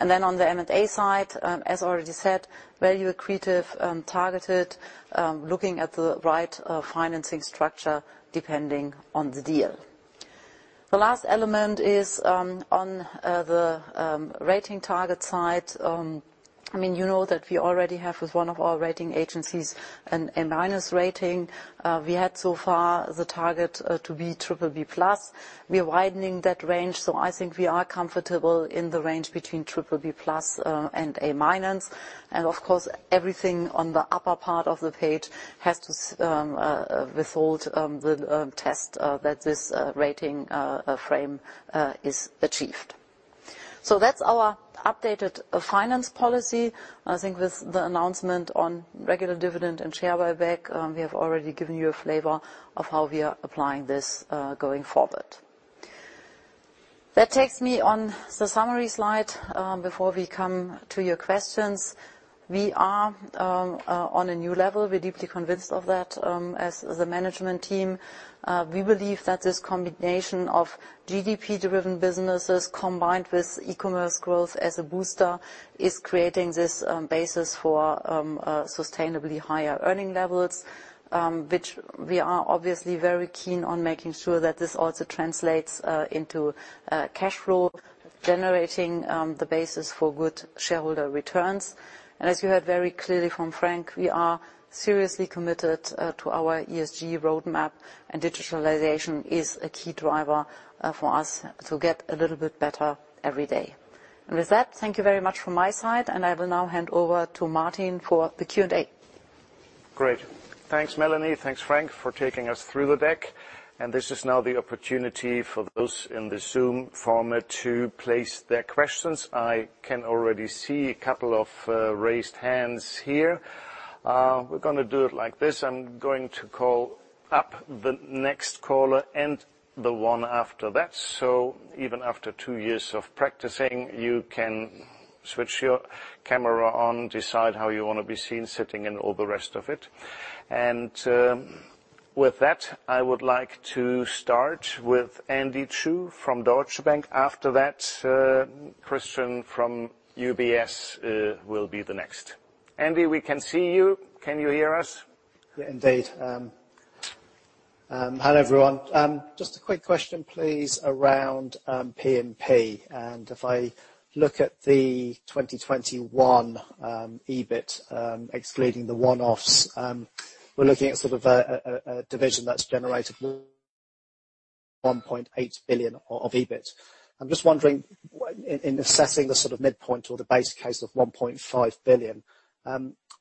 Then on the M&A side, as already said, value accretive, targeted, looking at the right financing structure depending on the deal. The last element is on the rating target side. I mean, you know that we already have with one of our rating agencies an A-minus rating. We had so far the target to be triple B plus. We are widening that range. I think we are comfortable in the range between triple B plus and A-minus. Of course, everything on the upper part of the page has to withstand the test that this rating framework is achieved. That's our updated finance policy. I think with the announcement on regular dividend and share buyback, we have already given you a flavor of how we are applying this going forward. That takes me to the summary slide before we come to your questions. We are on a new level. We're deeply convinced of that as the management team. We believe that this combination of GDP-driven businesses combined with e-commerce growth as a booster is creating this basis for sustainably higher earning levels, which we are obviously very keen on making sure that this also translates into cash flow, generating the basis for good shareholder returns. As you heard very clearly from Frank, we are seriously committed to our ESG roadmap, and digitalization is a key driver for us to get a little bit better every day. With that, thank you very much from my side, and I will now hand over to Martin for the Q&A. Great. Thanks, Melanie. Thanks, Frank, for taking us through the deck. This is now the opportunity for those in the Zoom forum to place their questions. I can already see a couple of raised hands here. We're gonna do it like this. I'm going to call up the next caller and the one after that. Even after two years of practicing, you can switch your camera on, decide how you wanna be seen, sitting in, all the rest of it. With that, I would like to start with Andy Chu from Deutsche Bank. After that, Christian from UBS will be the next. Andy, we can see you. Can you hear us? Yeah, indeed. Hi, everyone. Just a quick question, please, around P&P. If I look at the 2021 EBIT, excluding the one-offs, we're looking at sort of a division that's generated 1.8 billion of EBIT. I'm just wondering in assessing the sort of midpoint or the base case of 1.5 billion,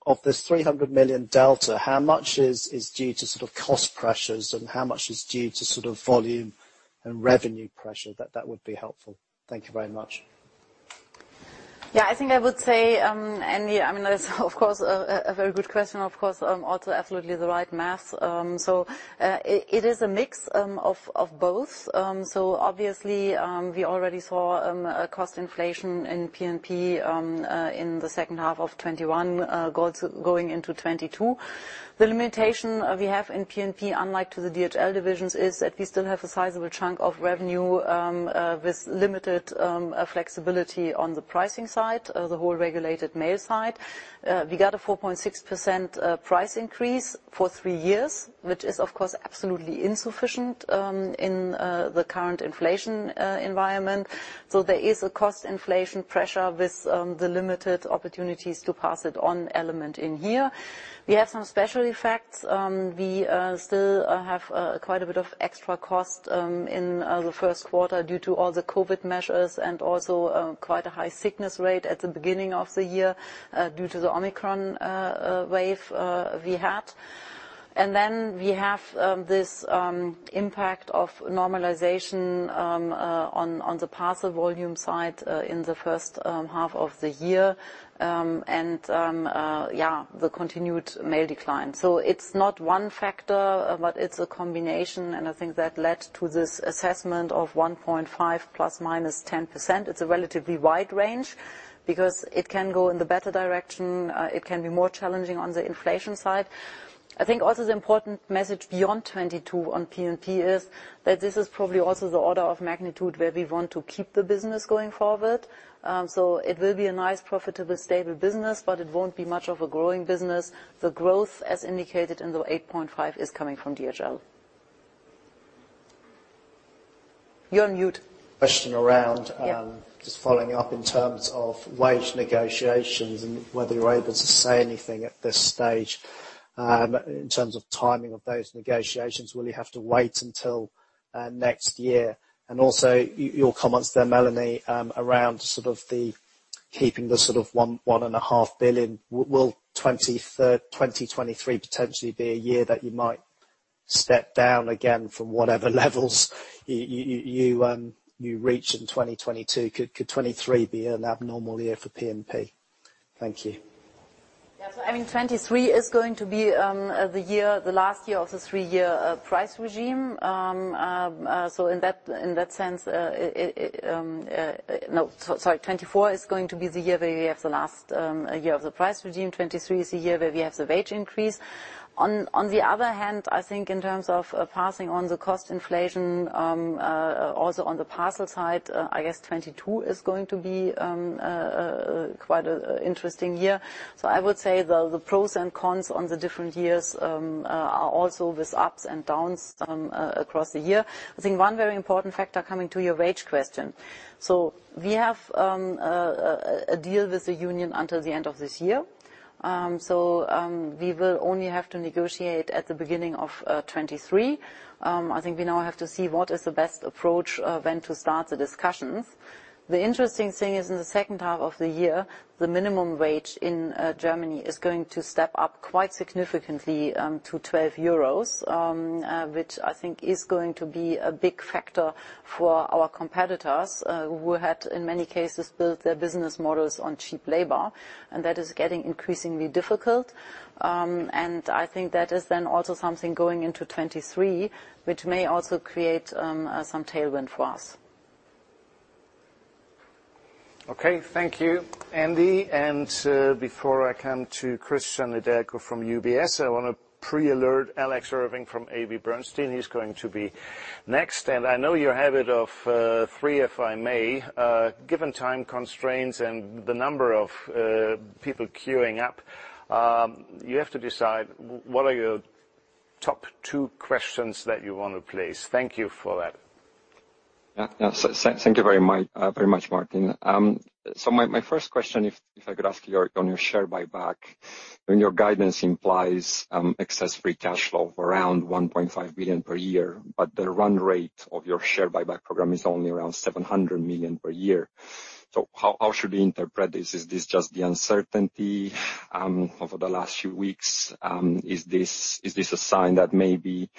of this 300 million delta, how much is due to sort of cost pressures, and how much is due to sort of volume and revenue pressure? That would be helpful. Thank you very much. Yeah, I think I would say, Andy, I mean, that's of course a very good question, of course, also absolutely the right math. It is a mix of both. Obviously, we already saw a cost inflation in P&P in the second half of 2021, going into 2022. The limitation we have in P&P, unlike to the DHL divisions, is that we still have a sizable chunk of revenue with limited flexibility on the pricing side, the whole regulated mail side. We got a 4.6% price increase for three years, which is, of course, absolutely insufficient in the current inflation environment. There is a cost inflation pressure with the limited opportunities to pass it on element in here. We have some special effects. We still have quite a bit of extra cost in the Q1 due to all the COVID measures and also quite a high sickness rate at the beginning of the year due to the Omicron wave we had. We have this impact of normalization on the parcel volume side in the H1 of the year and the continued mail decline. It's not one factor, but it's a combination. I think that led to this assessment of 1.5 ± 10%. It's a relatively wide range because it can go in the better direction. It can be more challenging on the inflation side. I think also the important message beyond 2022 on P&P is that this is probably also the order of magnitude where we want to keep the business going forward. It will be a nice profitable, stable business, but it won't be much of a growing business. The growth, as indicated in the 8.5%, is coming from DHL. You're on mute. Question around Yeah. Just following up in terms of wage negotiations and whether you're able to say anything at this stage in terms of timing of those negotiations. Will you have to wait until next year? Your comments there, Melanie, around sort of keeping the sort of 1.5 billion, will 2023 potentially be a year that you might step down again from whatever levels you reach in 2022? Could 2023 be an abnormal year for P&P? Thank you. I mean, 2023 is going to be the year, the last year of the three-year price regime. In that sense, 2024 is going to be the year where we have the last year of the price regime. 2023 is the year where we have the wage increase. On the other hand, I think in terms of passing on the cost inflation, also on the parcel side, I guess 2022 is going to be quite an interesting year. I would say the pros and cons on the different years, also with ups and downs, across the year. I think one very important factor coming to your wage question, so we have a deal with the union until the end of this year, so we will only have to negotiate at the beginning of 2023. I think we now have to see what is the best approach, when to start the discussions. The interesting thing is in the H2 of the year, the minimum wage in Germany is going to step up quite significantly, to 12 euros, which I think is going to be a big factor for our competitors, who had, in many cases, built their business models on cheap labor, and that is getting increasingly difficult. I think that is then also something going into 2023, which may also create some tailwind for us. Okay, thank you, Andy. Before I come to Cristian Nedelcu from UBS, I wanna pre-alert Alex Irving from AB Bernstein, who's going to be next. I know your habit of three, if I may. Given time constraints and the number of people queuing up, you have to decide what are your top two questions that you wanna place. Thank you for that. Thank you very much, Martin. My first question, if I could ask on your share buyback, I mean, your guidance implies excess free cash flow of around 1.5 billion per year, but the run rate of your share buyback program is only around 700 million per year. How should we interpret this? Is this just the uncertainty over the last few weeks? Is this a sign that maybe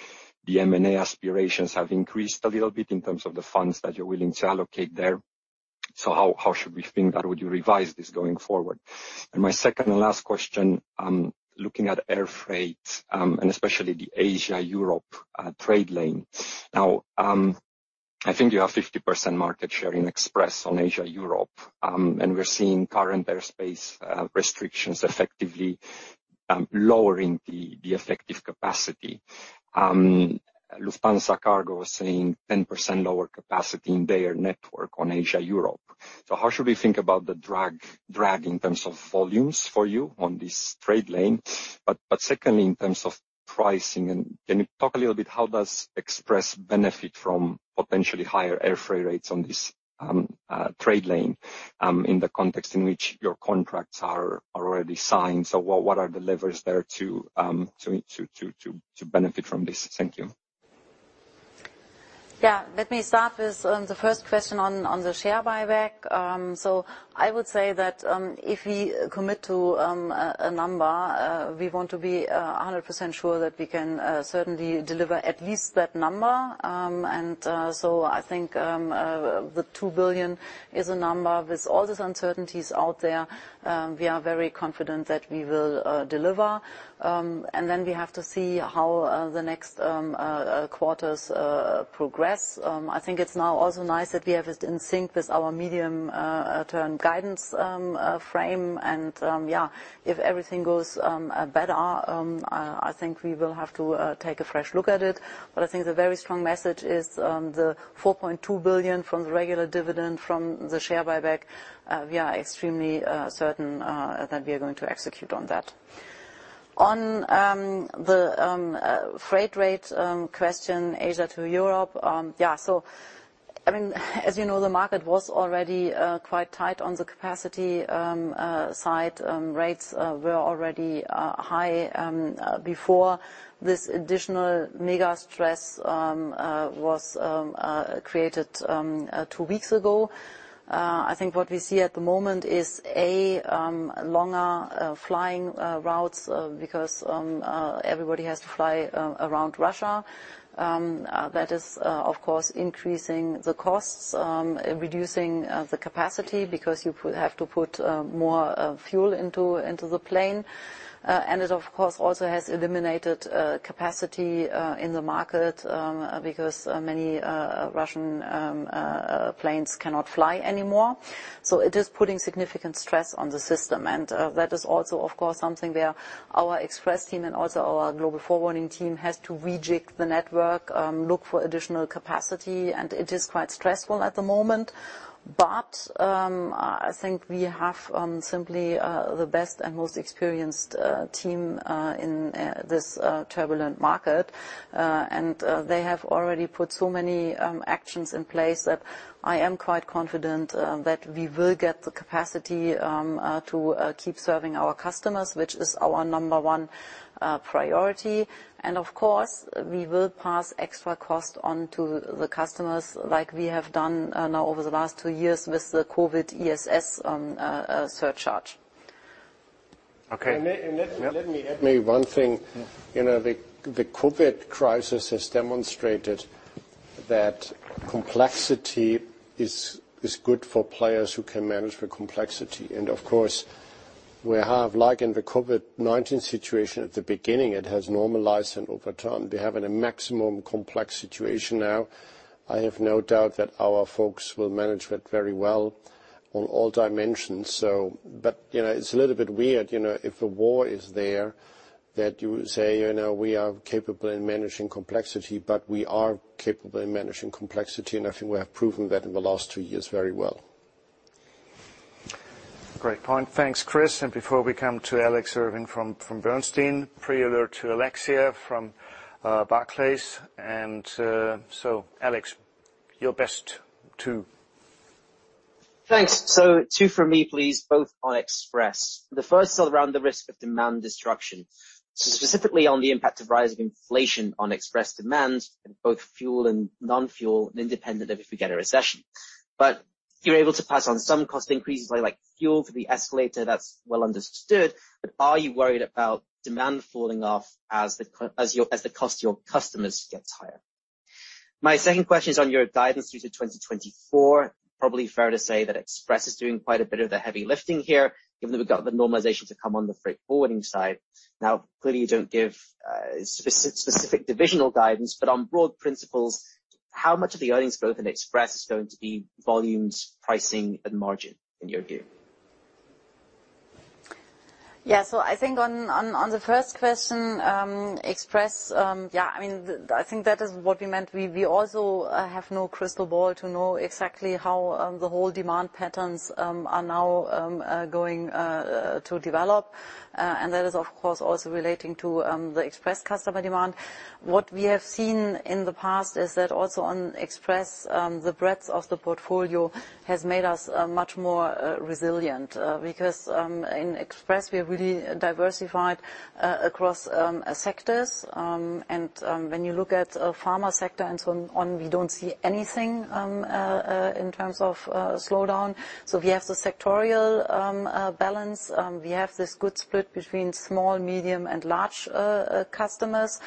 the M&A aspirations have increased a little bit in terms of the funds that you are willing to allocate there? How should we think, or would you revise this going forward? My second and last question, looking at air freight, and especially the Asia-Europe trade lane. Now, I think you have 50% market share in Express on Asia-Europe, and we're seeing current airspace restrictions effectively lowering the effective capacity. Lufthansa Cargo is seeing 10% lower capacity in their network on Asia-Europe. How should we think about the drag in terms of volumes for you on this trade lane? Secondly, in terms of pricing and can you talk a little bit, how does Express benefit from potentially higher air freight rates on this trade lane in the context in which your contracts are already signed? What are the levers there to benefit from this? Thank you. Yeah. Let me start with the first question on the share buyback. So I would say that if we commit to a number, we want to be 100% sure that we can certainly deliver at least that number. So I think the 2 billion is a number. With all these uncertainties out there, we are very confident that we will deliver. Then we have to see how the next quarters progress. I think it's now also nice that we have it in sync with our medium-term guidance frame. If everything goes better, I think we will have to take a fresh look at it. I think the very strong message is the 4.2 billion from the regular dividend from the share buyback. We are extremely certain that we are going to execute on that. On the freight rate question, Asia to Europe. Yeah, I mean, as you know, the market was already quite tight on the capacity side. Rates were already high before this additional mega stress was created two weeks ago. I think what we see at the moment is longer flying routes because everybody has to fly around Russia. That is of course increasing the costs, reducing the capacity because you have to put more fuel into the plane. It, of course, also has eliminated capacity in the market because many Russian planes cannot fly anymore. It is putting significant stress on the system. That is also, of course, something where our Express team and also our Global Forwarding team has to rejig the network, look for additional capacity, and it is quite stressful at the moment. I think we have simply the best and most experienced team in this turbulent market. They have already put so many actions in place that I am quite confident that we will get the capacity to keep serving our customers, which is our number one priority. Of course, we will pass extra cost on to the customers like we have done now over the last two years with the COVID ESS surcharge. Okay. Let me add maybe one thing. You know, the COVID crisis has demonstrated that complexity is good for players who can manage the complexity. Of course, we have, like in the COVID-19 situation at the beginning, it has normalized and over time. We're having a maximum complex situation now. I have no doubt that our folks will manage that very well on all dimensions. You know, it's a little bit weird, you know, if a war is there that you say, you know, we are capable in managing complexity, and I think we have proven that in the last two years very well. Great point. Thanks, Chris. Before we come to Alex Irving from Bernstein, pre-alert to Alexia from Barclays. Alex, your best two. Thanks. Two for me, please, both on Express. The first is around the risk of demand disruption, so specifically on the impact of rising inflation on Express demand in both fuel and non-fuel and independent of if we get a recession. But you're able to pass on some cost increases like fuel through the escalator, that's well understood, but are you worried about demand falling off as the cost to your customers gets higher? My second question is on your guidance through to 2024. Probably fair to say that Express is doing quite a bit of the heavy lifting here, given that we've got the normalization to come on the freight forwarding side. Now, clearly, you don't give specific divisional guidance, but on broad principles, how much of the earnings growth in Express is going to be volumes, pricing, and margin in your view? I think on the first question, Express, I mean, I think that is what we meant. We also have no crystal ball to know exactly how the whole demand patterns are now going to develop. That is, of course, also relating to the Express customer demand. What we have seen in the past is that also on Express, the breadth of the portfolio has made us much more resilient. Because in Express we are really diversified across sectors. When you look at pharma sector and so on, we don't see anything in terms of slowdown. We have the sectorial balance. We have this good split between small, medium, and large customers.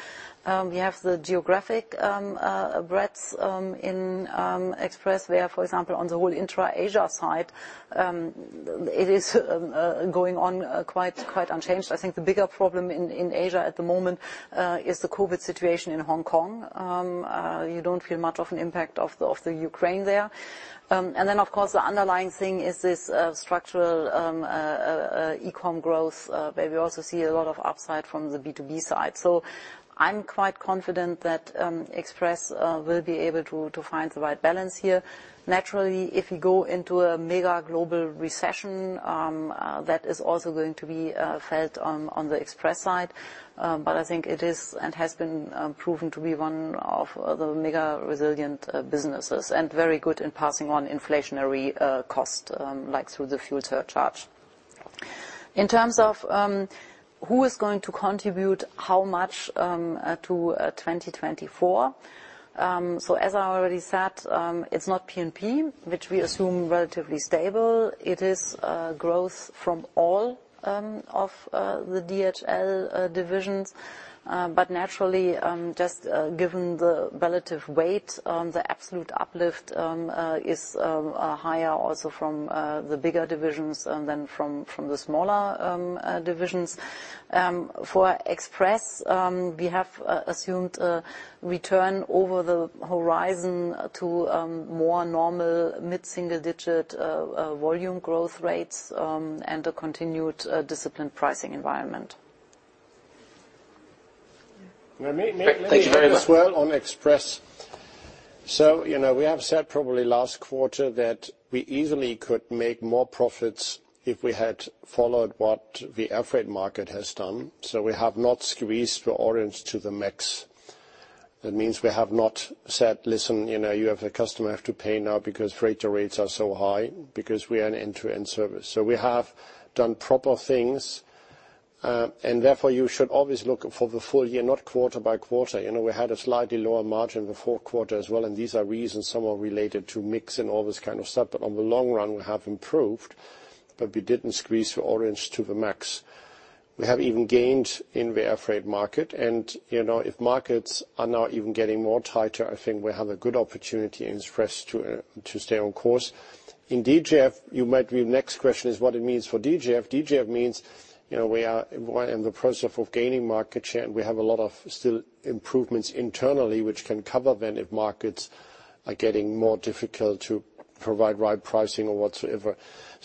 We have the geographic breadth in Express where, for example, on the whole Intra-Asia side, it is going on quite unchanged. I think the bigger problem in Asia at the moment is the COVID situation in Hong Kong. You don't feel much of an impact of the Ukraine there. Of course, the underlying thing is this structural e-com growth where we also see a lot of upside from the B2B side. I'm quite confident that Express will be able to find the right balance here. Naturally, if we go into a mega global recession, that is also going to be felt on the Express side. I think it is, and has been, proven to be one of the mega resilient businesses, and very good in passing on inflationary costs, like through the fuel surcharge. In terms of who is going to contribute how much to 2024, as I already said, it's not P&P, which we assume relatively stable. It is growth from all of the DHL divisions. Naturally, just given the relative weight, the absolute uplift is higher also from the bigger divisions than from the smaller divisions. For Express, we have assumed a return over the horizon to more normal mid-single-digit volume growth rates, and a continued disciplined pricing environment. Yeah. Well, may-may- Thank you very much. -as well on Express. You know, we have said probably last quarter that we easily could make more profits if we had followed what the air freight market has done. We have not squeezed the orange to the max. That means we have not said, "Listen, you know, you have a customer have to pay now because freighter rates are so high," because we are an end-to-end service. We have done proper things, and therefore you should always look for the full year, not quarter by quarter. You know, we had a slightly lower margin the Q4 as well, and these are reasons some are related to mix and all this kind of stuff, but on the long run we have improved, but we didn't squeeze the orange to the max. We have even gained in the air freight market and, you know, if markets are now even getting more tighter, I think we have a good opportunity in Express to stay on course. In DGF, you might read next question is what it means for DGF. DGF means, you know, we are in the process of gaining market share, and we have a lot of still improvements internally which can cover then if markets are getting more difficult to provide right pricing or whatsoever.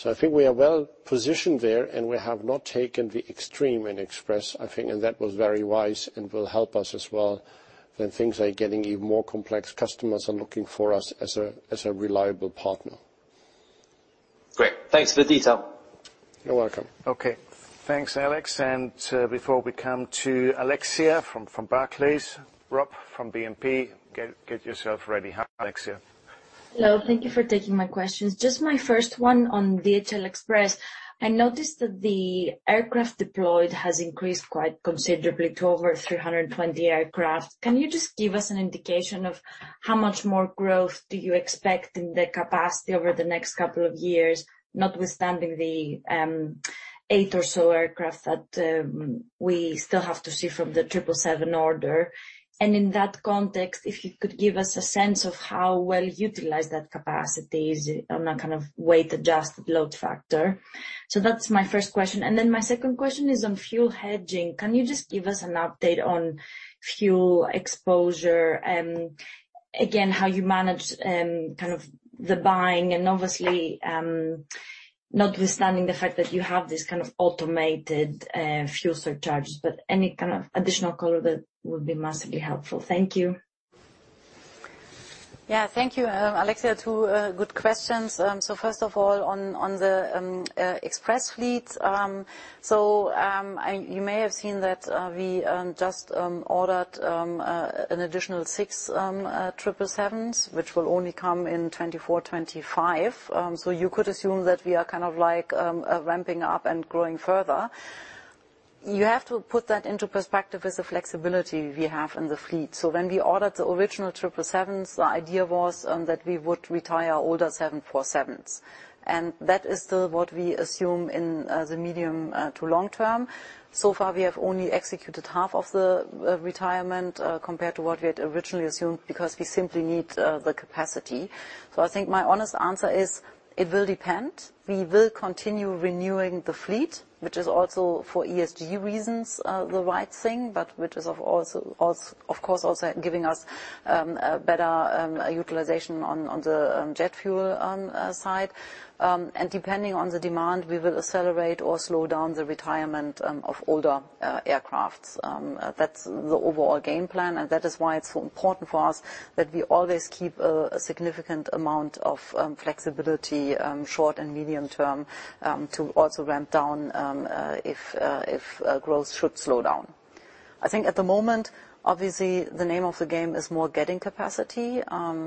I think we are well positioned there, and we have not taken the extreme in Express, I think, and that was very wise and will help us as well. When things are getting even more complex, customers are looking for us as a reliable partner. Great. Thanks for the detail. You're welcome. Okay. Thanks, Alex. Before we come to Alexia from Barclays, Rob from BNP, get yourself ready. Alexia. Hello. Thank you for taking my questions. Just my first one on DHL Express, I noticed that the aircraft deployed has increased quite considerably to over 320 aircraft. Can you just give us an indication of how much more growth do you expect in the capacity over the next couple of years, notwithstanding the eight or so aircraft that we still have to see from the 777 order? And in that context, if you could give us a sense of how well-utilized that capacity is on a kind of weight-adjusted load factor. So that's my first question. And then my second question is on fuel hedging. Can you just give us an update on fuel exposure and again, how you manage, kind of the buying and obviously, notwithstanding the fact that you have this kind of automated, fuel surcharges, but any kind of additional color that would be massively helpful. Thank you. Yeah. Thank you, Alexia. Two good questions. First of all, on the Express fleet. You may have seen that, we just ordered an additional six 777s, which will only come in 2024, 2025. You could assume that we are kind of like, ramping up and growing further. You have to put that into perspective as a flexibility we have in the fleet. When we ordered the original 777s, the idea was that we would retire older 747s. That is still what we assume in the medium to long term. Far, we have only executed half of the retirement compared to what we had originally assumed because we simply need the capacity. I think my honest answer is it will depend. We will continue renewing the fleet, which is also for ESG reasons the right thing, but which is of course also giving us a better utilization on the jet fuel side. Depending on the demand, we will accelerate or slow down the retirement of older aircraft. That's the overall game plan, and that is why it's so important for us that we always keep a significant amount of flexibility short and medium term to also ramp down if growth should slow down. I think at the moment, obviously, the name of the game is more getting capacity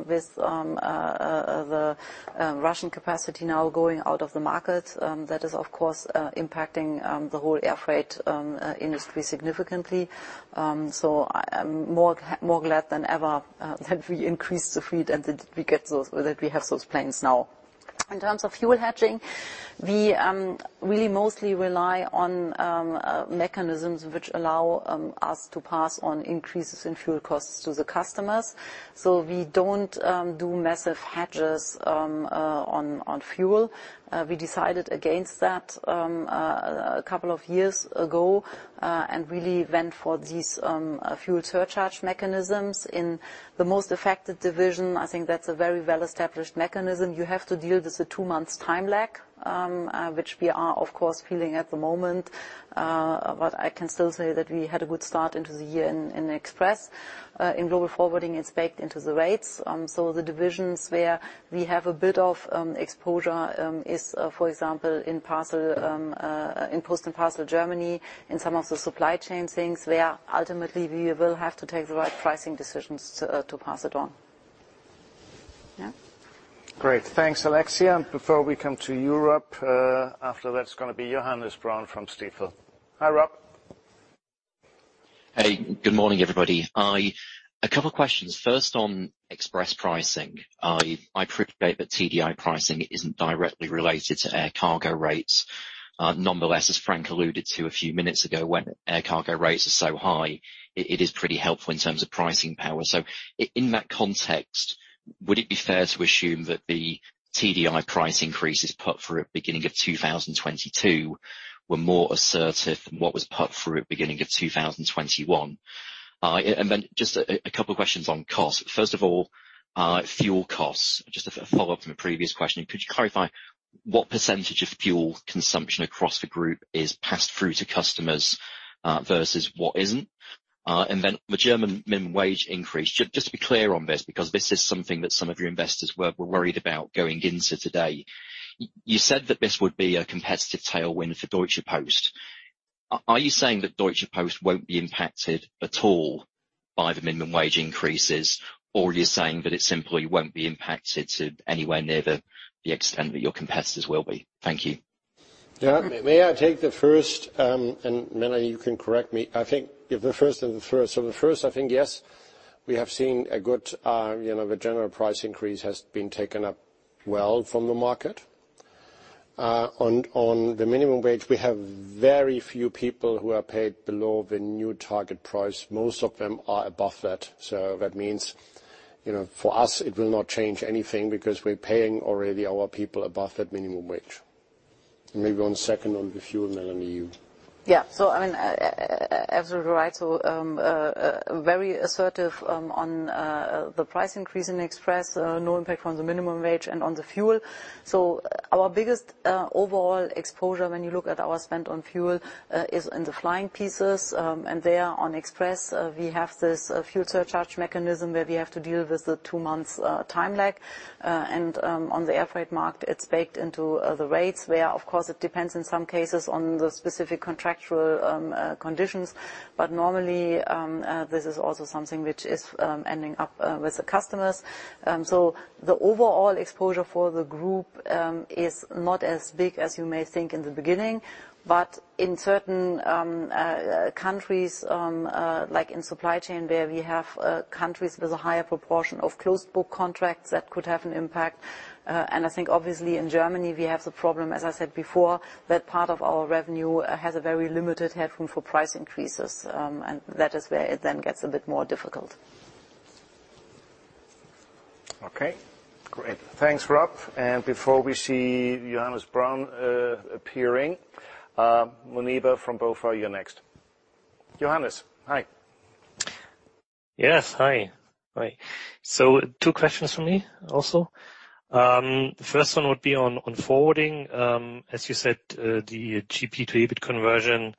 with the Russian capacity now going out of the market, that is, of course, impacting the whole airfreight industry significantly. So I'm more glad than ever that we increased the fleet and that we have those planes now. In terms of fuel hedging, we really mostly rely on mechanisms which allow us to pass on increases in fuel costs to the customers. We don't do massive hedges on fuel. We decided against that a couple of years ago and really went for these fuel surcharge mechanisms. In the most affected division, I think that's a very well-established mechanism. You have to deal with the two months time lag which we are of course feeling at the moment. I can still say that we had a good start into the year in Express. In Global Forwarding, it's baked into the rates. The divisions where we have a bit of exposure is, for example, in Parcel, in Post & Parcel Germany, in some of the Supply Chain things where ultimately we will have to take the right pricing decisions to pass it on. Yeah? Great. Thanks, Alexia. Before we come to you, Rob, after that it's gonna be Johannes Braun from Stifel. Hi, Rob. Hey, good morning, everybody. A couple questions, first on Express pricing. I appreciate that TDI pricing isn't directly related to air cargo rates. Nonetheless, as Frank alluded to a few minutes ago, when air cargo rates are so high, it is pretty helpful in terms of pricing power. So in that context, would it be fair to assume that the TDI price increases put through at beginning of 2022 were more assertive than what was put through at beginning of 2021? And then just a couple questions on cost. First of all, fuel costs, just a follow-up from a previous question. Could you clarify what percentage of fuel consumption across the group is passed through to customers, versus what isn't? And then the German minimum wage increase. Just to be clear on this, because this is something that some of your investors were worried about going into today. You said that this would be a competitive tailwind for Deutsche Post. Are you saying that Deutsche Post won't be impacted at all by the minimum wage increases, or are you saying that it simply won't be impacted to anywhere near the extent that your competitors will be? Thank you. Yeah. May I take the first, and Melanie, you can correct me. I think the first and the third. The first, I think, yes, we have seen a good, you know, the general price increase has been taken up well from the market. On the minimum wage, we have very few people who are paid below the new target price. Most of them are above that. That means, you know, for us, it will not change anything because we're paying already our people above that minimum wage. Maybe on the second, on the fuel, Melanie, you. Yeah. I mean, absolutely right. Very assertive on the price increase in Express, no impact on the minimum wage and on the fuel. Our biggest overall exposure, when you look at our spend on fuel, is in the flying pieces. There on Express, we have this fuel surcharge mechanism where we have to deal with the two months time lag. On the air freight market, it's baked into the rates, where, of course, it depends in some cases on the specific contractual conditions. Normally, this is also something which is ending up with the customers. The overall exposure for the group is not as big as you may think in the beginning. In certain countries, like in Supply Chain, where we have countries with a higher proportion of closed book contracts, that could have an impact. I think obviously in Germany, we have the problem, as I said before, that part of our revenue has a very limited headroom for price increases, and that is where it then gets a bit more difficult. Okay, great. Thanks, Rob. Before we see Johannes Braun appearing, Muneeba from BofA, you're next. Johannes, hi. Yes, hey. Two questions from me also. First one would be on forwarding. As you said, the GP to EBIT conversion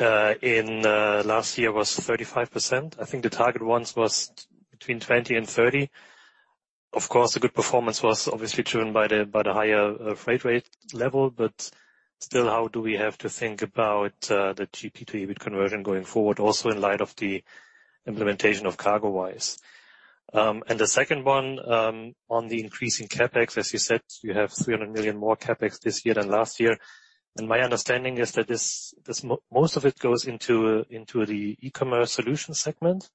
in last year was 35%. I think the target once was between 20 and 30. Of course, the good performance was obviously driven by the higher freight rate level. Still, how do we have to think about the GP to EBIT conversion going forward, also in light of the implementation of CargoWise? The second one, on the increasing CapEx, as you said, you have 300 million more CapEx this year than last year. My understanding is that most of it goes into the eCommerce Solutions segment.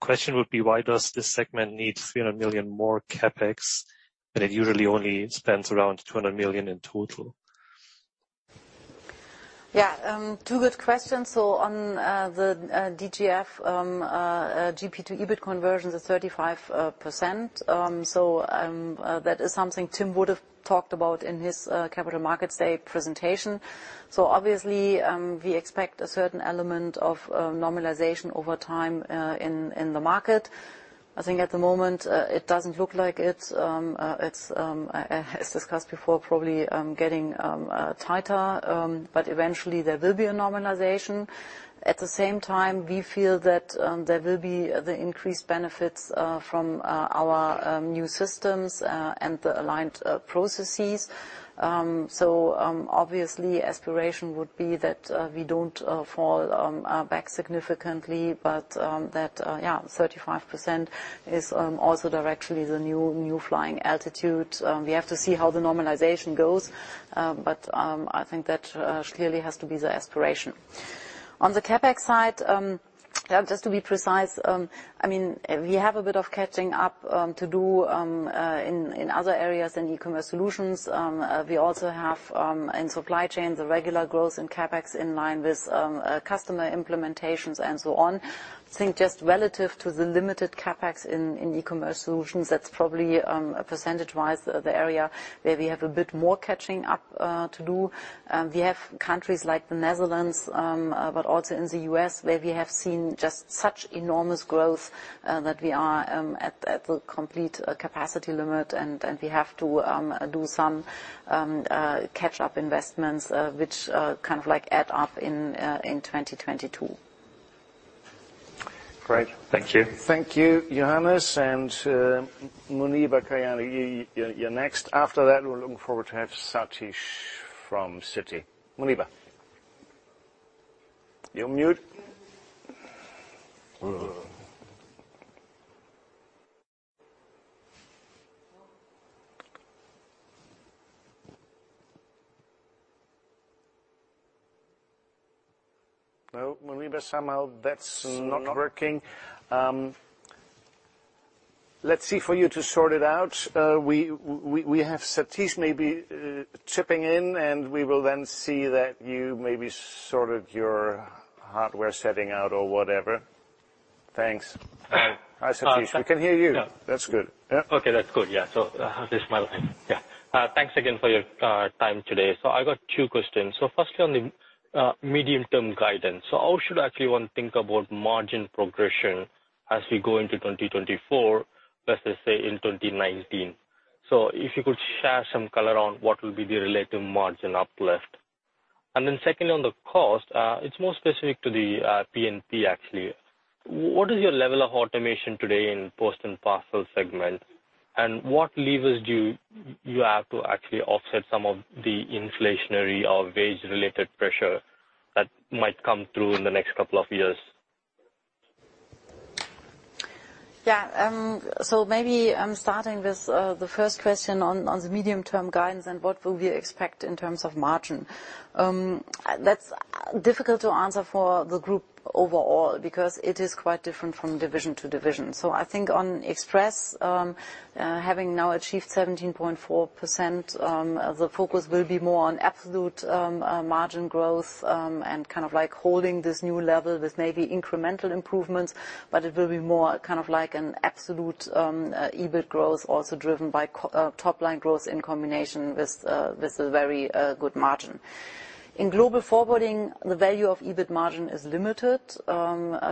Question would be, why does this segment need 300 million more CapEx when it usually only spends around 200 million in total? Yeah, two good questions. On the DGF, GP to EBIT conversion is 35%. That is something Tim would have talked about in his capital markets day presentation. Obviously, we expect a certain element of normalization over time in the market. I think at the moment, it doesn't look like it. It's as discussed before, probably getting tighter, but eventually there will be a normalization. At the same time, we feel that there will be the increased benefits from our new systems and the aligned processes. Obviously, aspiration would be that we don't fall back significantly, but that 35% is also directly the new flying altitude. We have to see how the normalization goes, but I think that clearly has to be the aspiration. On the CapEx side, just to be precise, I mean, we have a bit of catching up to do in other areas in eCommerce Solutions. We also have in Supply Chain the regular growth in CapEx in line with customer implementations and so on. I think just relative to the limited CapEx in eCommerce Solutions, that's probably percentage-wise, the area where we have a bit more catching up to do. We have countries like the Netherlands, but also in the U.S., where we have seen just such enormous growth, that we are at the complete capacity limit, and we have to do some catch-up investments, which kind of like add up in 2022. Great. Thank you. Thank you, Johannes. Muneeba Kayani, you're next. After that, we're looking forward to have Sathish from Citi. Muneeba. You on mute? No, Muneeba, somehow that's not working. Let's see for you to sort it out. We have Sathish maybe chipping in, and we will then see that you maybe sorted your hardware setting out or whatever. Thanks. Hi. Hi, Sathish. We can hear you. Yeah. That's good. Yeah? Okay. That's good, yeah. This is my line. Yeah. Thanks again for your time today. I got two questions. Firstly, on the medium-term guidance. How should actually one think about margin progression as we go into 2024 versus, say, in 2019? If you could share some color on what will be the relative margin uplift. Then secondly, on the cost, it's more specific to the P&P, actually. What is your level of automation today in Post & Parcel segment, and what levers do you have to actually offset some of the inflationary or wage-related pressure that might come through in the next couple of years? Yeah. Maybe I'm starting with the first question on the medium-term guidance and what we will expect in terms of margin. That's difficult to answer for the group overall because it is quite different from division to division. I think on Express, having now achieved 17.4%, the focus will be more on absolute margin growth, and kind of like holding this new level with maybe incremental improvements, but it will be more kind of like an absolute EBIT growth, also driven by top-line growth in combination with a very good margin. In Global Forwarding, the value of EBIT margin is limited,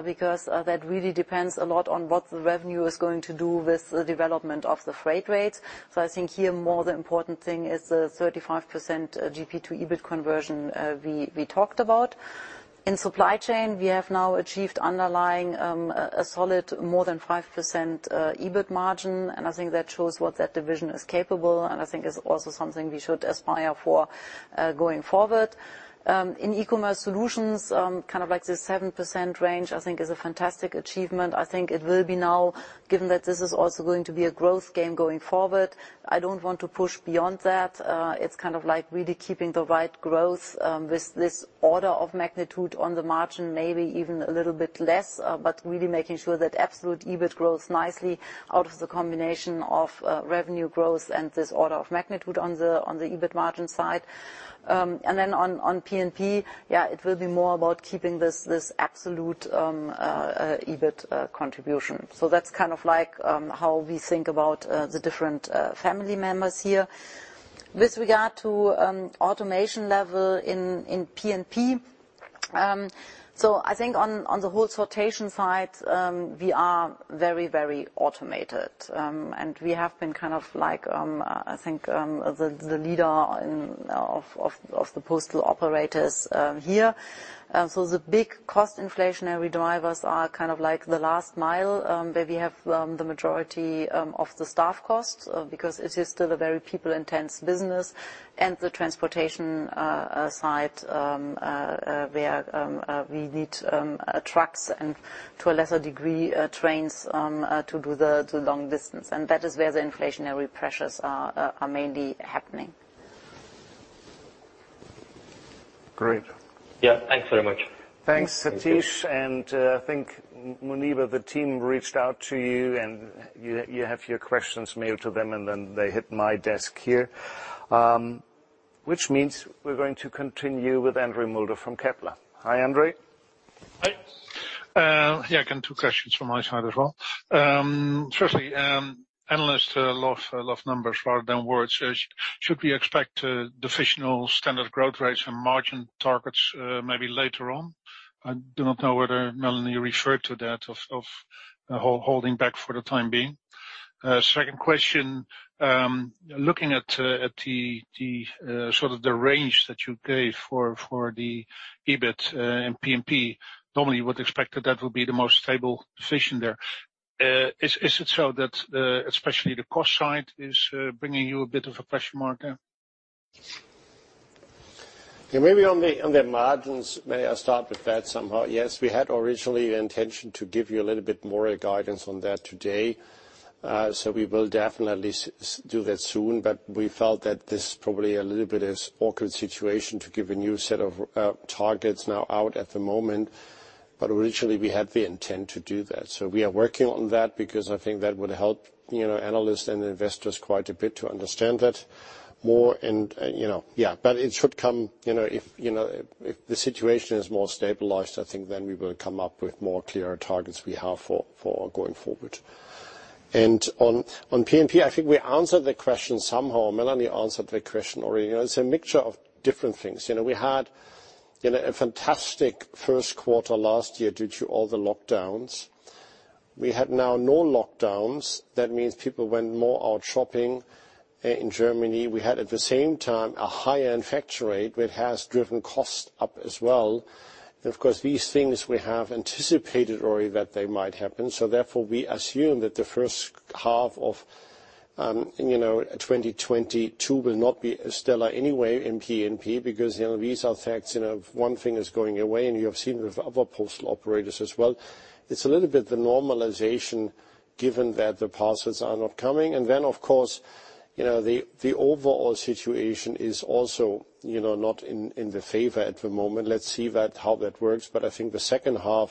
because that really depends a lot on what the revenue is going to do with the development of the freight rates. I think here more the important thing is the 35% GP to EBIT conversion we talked about. In Supply Chain, we have now achieved underlying a solid more than 5% EBIT margin, and I think that shows what that division is capable, and I think is also something we should aspire for going forward. In E-commerce Solutions, kind of like this 7% range, I think is a fantastic achievement. I think it will be now, given that this is also going to be a growth game going forward, I don't want to push beyond that. It's kind of like really keeping the right growth with this order of magnitude on the margin, maybe even a little bit less, but really making sure that absolute EBIT grows nicely out of the combination of revenue growth and this order of magnitude on the EBIT margin side. On P&P, yeah, it will be more about keeping this absolute EBIT contribution. That's kind of like how we think about the different family members here. With regard to automation level in P&P, I think on the whole sortation side, we are very, very automated. We have been kind of like, I think, the leader in the postal operators here. The big cost inflationary drivers are kind of like the last mile, where we have the majority of the staff costs because it is still a very people-intense business, and the transportation side, where we need trucks and, to a lesser degree, trains to do the long distance. That is where the inflationary pressures are mainly happening. Great. Yeah. Thanks very much. Thanks, Sathish. I think Muneeba, the team reached out to you and you have your questions mailed to them, and then they hit my desk here. Which means we're going to continue with Andre Mulder from Kepler. Hi, Andre. Hi. Yeah, I got two questions from my side as well. Firstly, analysts love numbers rather than words. So should we expect divisional standard growth rates and margin targets maybe later on? I do not know whether, Melanie, you referred to that, of holding back for the time being. Second question, looking at the sort of range that you gave for the EBIT in P&P, normally you would expect that will be the most stable division there. Is it so that especially the cost side is bringing you a bit of a question mark there? Maybe on the margins, may I start with that somehow? Yes, we had originally intention to give you a little bit more guidance on that today. We will definitely do that soon, but we felt that this probably a little bit of awkward situation to give a new set of targets now out at the moment. Originally, we had the intent to do that. We are working on that because I think that would help, you know, analysts and investors quite a bit to understand that more and, you know, yeah. It should come, you know, if, you know, if the situation is more stabilized, I think then we will come up with more clearer targets we have for going forward. On P&P, I think we answered the question somehow. Melanie answered the question already. You know, it's a mixture of different things. You know, we had you know a fantastic Q1 last year due to all the lockdowns. We had now no lockdowns. That means people went more out shopping in Germany. We had at the same time a higher infection rate which has driven costs up as well. Of course, these things we have anticipated already that they might happen. Therefore, we assume that the H1 of 2022 will not be as stellar anyway in P&P because you know these are facts. You know, one thing is going away, and you have seen with other postal operators as well. It's a little bit the normalization given that the parcels are not coming. Then of course, you know, the overall situation is also, you know, not in the favor at the moment. Let's see that, how that works. I think the H2,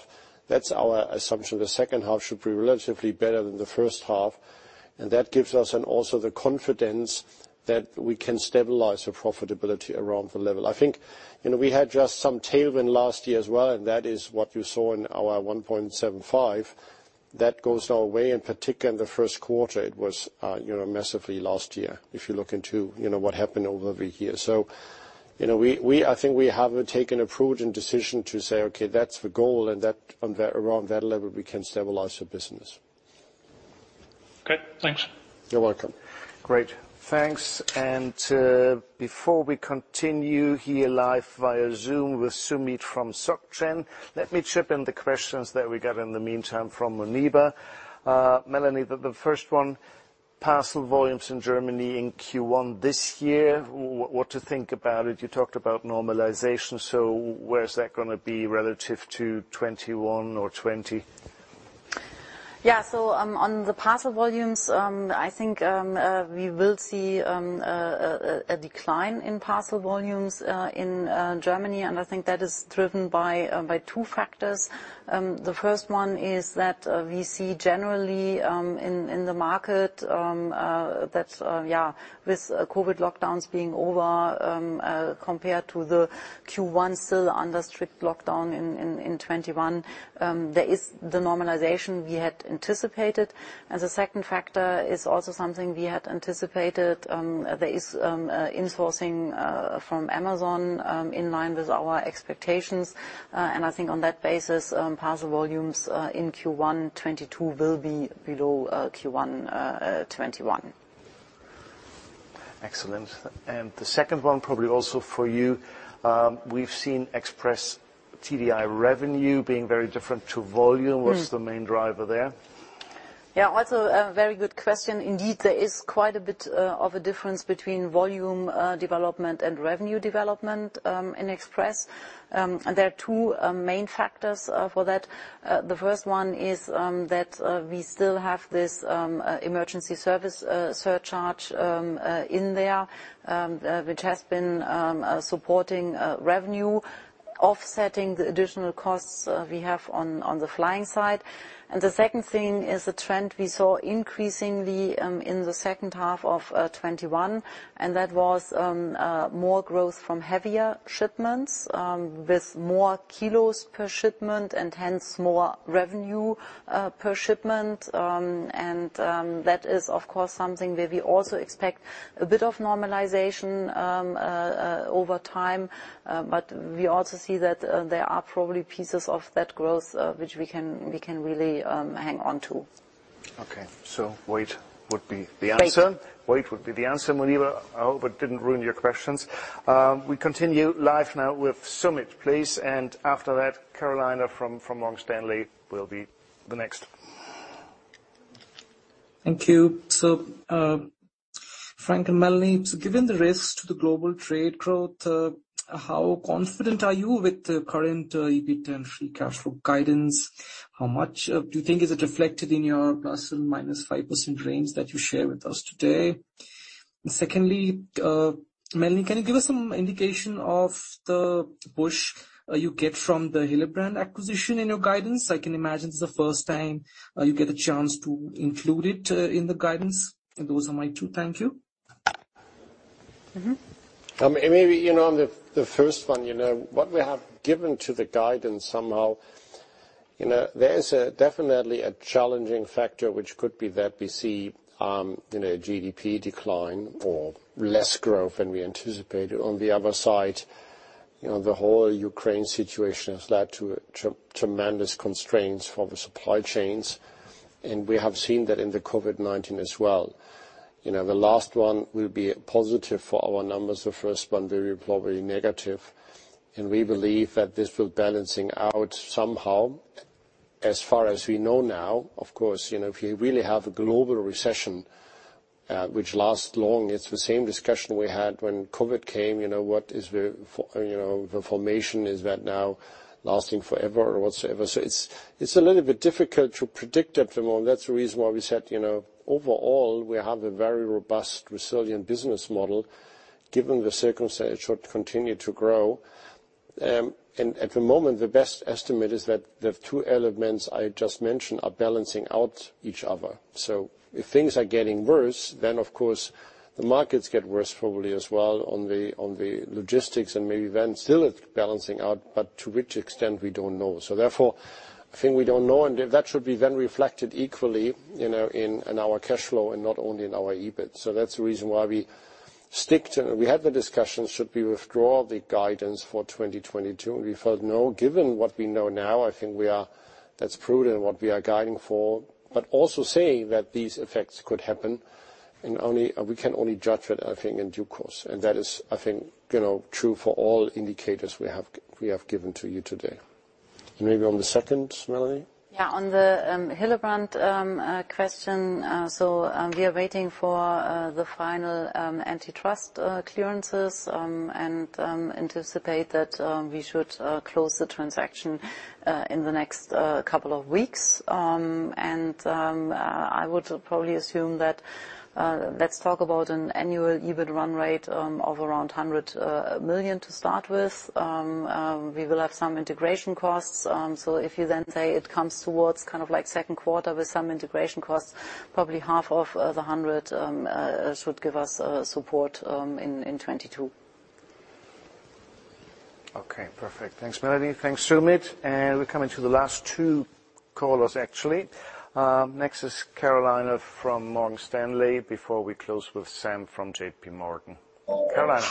that's our assumption. The H2 should be relatively better than the H1 and that gives us and also the confidence that we can stabilize the profitability around the level. I think, you know, we had just some tailwind last year as well, and that is what you saw in our 1.75. That goes our way, in particular in the Q1. It was, you know, massively last year if you look into, you know, what happened over the year. You know, we- I think we have taken a prudent decision to say, "Okay, that's the goal, and that, on that, around that level we can stabilize the business. Okay, thanks. You're welcome. Great. Thanks. Before we continue here live via Zoom with Sumit from Société Générale, let me chip in the questions that we got in the meantime from Muneeba. Melanie, the first one, parcel volumes in Germany in Q1 this year, what to think about it? You talked about normalization, so where's that gonna be relative to 2021 or 2020? Yeah. On the parcel volumes, I think we will see a decline in parcel volumes in Germany, and I think that is driven by two factors. The first one is that we see generally in the market that yeah, with COVID lockdowns being over compared to the Q1 still under strict lockdown in 2021, there is the normalization we had anticipated. The second factor is also something we had anticipated. There is insourcing from Amazon in line with our expectations. I think on that basis, parcel volumes in Q1 2022 will be below Q1 2021. Excellent. The second one probably also for you. We've seen Express TDI revenue being very different to volume. What's the main driver there? Yeah. Also a very good question. Indeed, there is quite a bit of a difference between volume development and revenue development in express. There are two main factors for that. The first one is that we still have this emergency situation surcharge in there, which has been supporting revenue, offsetting the additional costs we have on the flying side. The second thing is a trend we saw increasingly in the H2 of 2021, and that was more growth from heavier shipments with more kilos per shipment and hence more revenue per shipment. That is of course something where we also expect a bit of normalization over time. We also see that there are probably pieces of that growth which we can really hang on to. Okay. Wait would be the answer. Wait. Wait would be the answer, Muneeba. I hope it didn't ruin your questions. We continue live now with Sumit, please. After that, Cedar from Morgan Stanley will be the next. Thank you. Frank and Melanie, given the risks to the global trade growth, how confident are you with the current EBITDA and free cash flow guidance? How much do you think is it reflected in your ±5% range that you share with us today? Secondly, Melanie, can you give us some indication of the push you get from the Hillebrand acquisition in your guidance? I can imagine it's the first time you get a chance to include it in the guidance. Those are my two. Thank you. Maybe, you know, on the first one, you know, what we have given to the guidance somehow, you know, there is definitely a challenging factor which could be that we see, you know, GDP decline or less growth than we anticipated. On the other side, you know, the whole Ukraine situation has led to tremendous constraints for the supply chains, and we have seen that in the COVID-19 as well. You know, the last one will be positive for our numbers. The first one will be probably negative. We believe that this will balance out somehow. As far as we know now, of course, you know, if you really have a global recession, which lasts long, it's the same discussion we had when COVID came. You know, what is the formation, is that now lasting forever or whatsoever? It's a little bit difficult to predict at the moment. That's the reason why we said, you know, overall we have a very robust, resilient business model, given the circumstance, it should continue to grow. At the moment, the best estimate is that the two elements I just mentioned are balancing out each other. If things are getting worse, then of course the markets get worse probably as well on the logistics and maybe then still it's balancing out, but to which extent, we don't know. Therefore, I think we don't know. If that should be then reflected equally, you know, in our cash flow and not only in our EBIT. That's the reason why we stick to. We had the discussion, should we withdraw the guidance for 2022? We felt no, given what we know now, I think that's prudent what we are guiding for. But also saying that these effects could happen, and we can only judge it, I think, in due course. That is, I think, you know, true for all indicators we have given to you today. Maybe on the second, Melanie? Yeah, on the Hillebrand question. We are waiting for the final antitrust clearances and anticipate that we should close the transaction in the next couple of weeks. I would probably assume that, let's talk about an annual EBIT run rate of around 100 million to start with. We will have some integration costs. If you then say it comes towards kind of like second quarter with some integration costs, probably half of the 100 million should give us support in 2022. Okay, perfect. Thanks, Melanie. Thanks, Sumit. We're coming to the last two callers actually. Next is Carolina from Morgan Stanley before we close with Sam from JPMorgan. Carolina.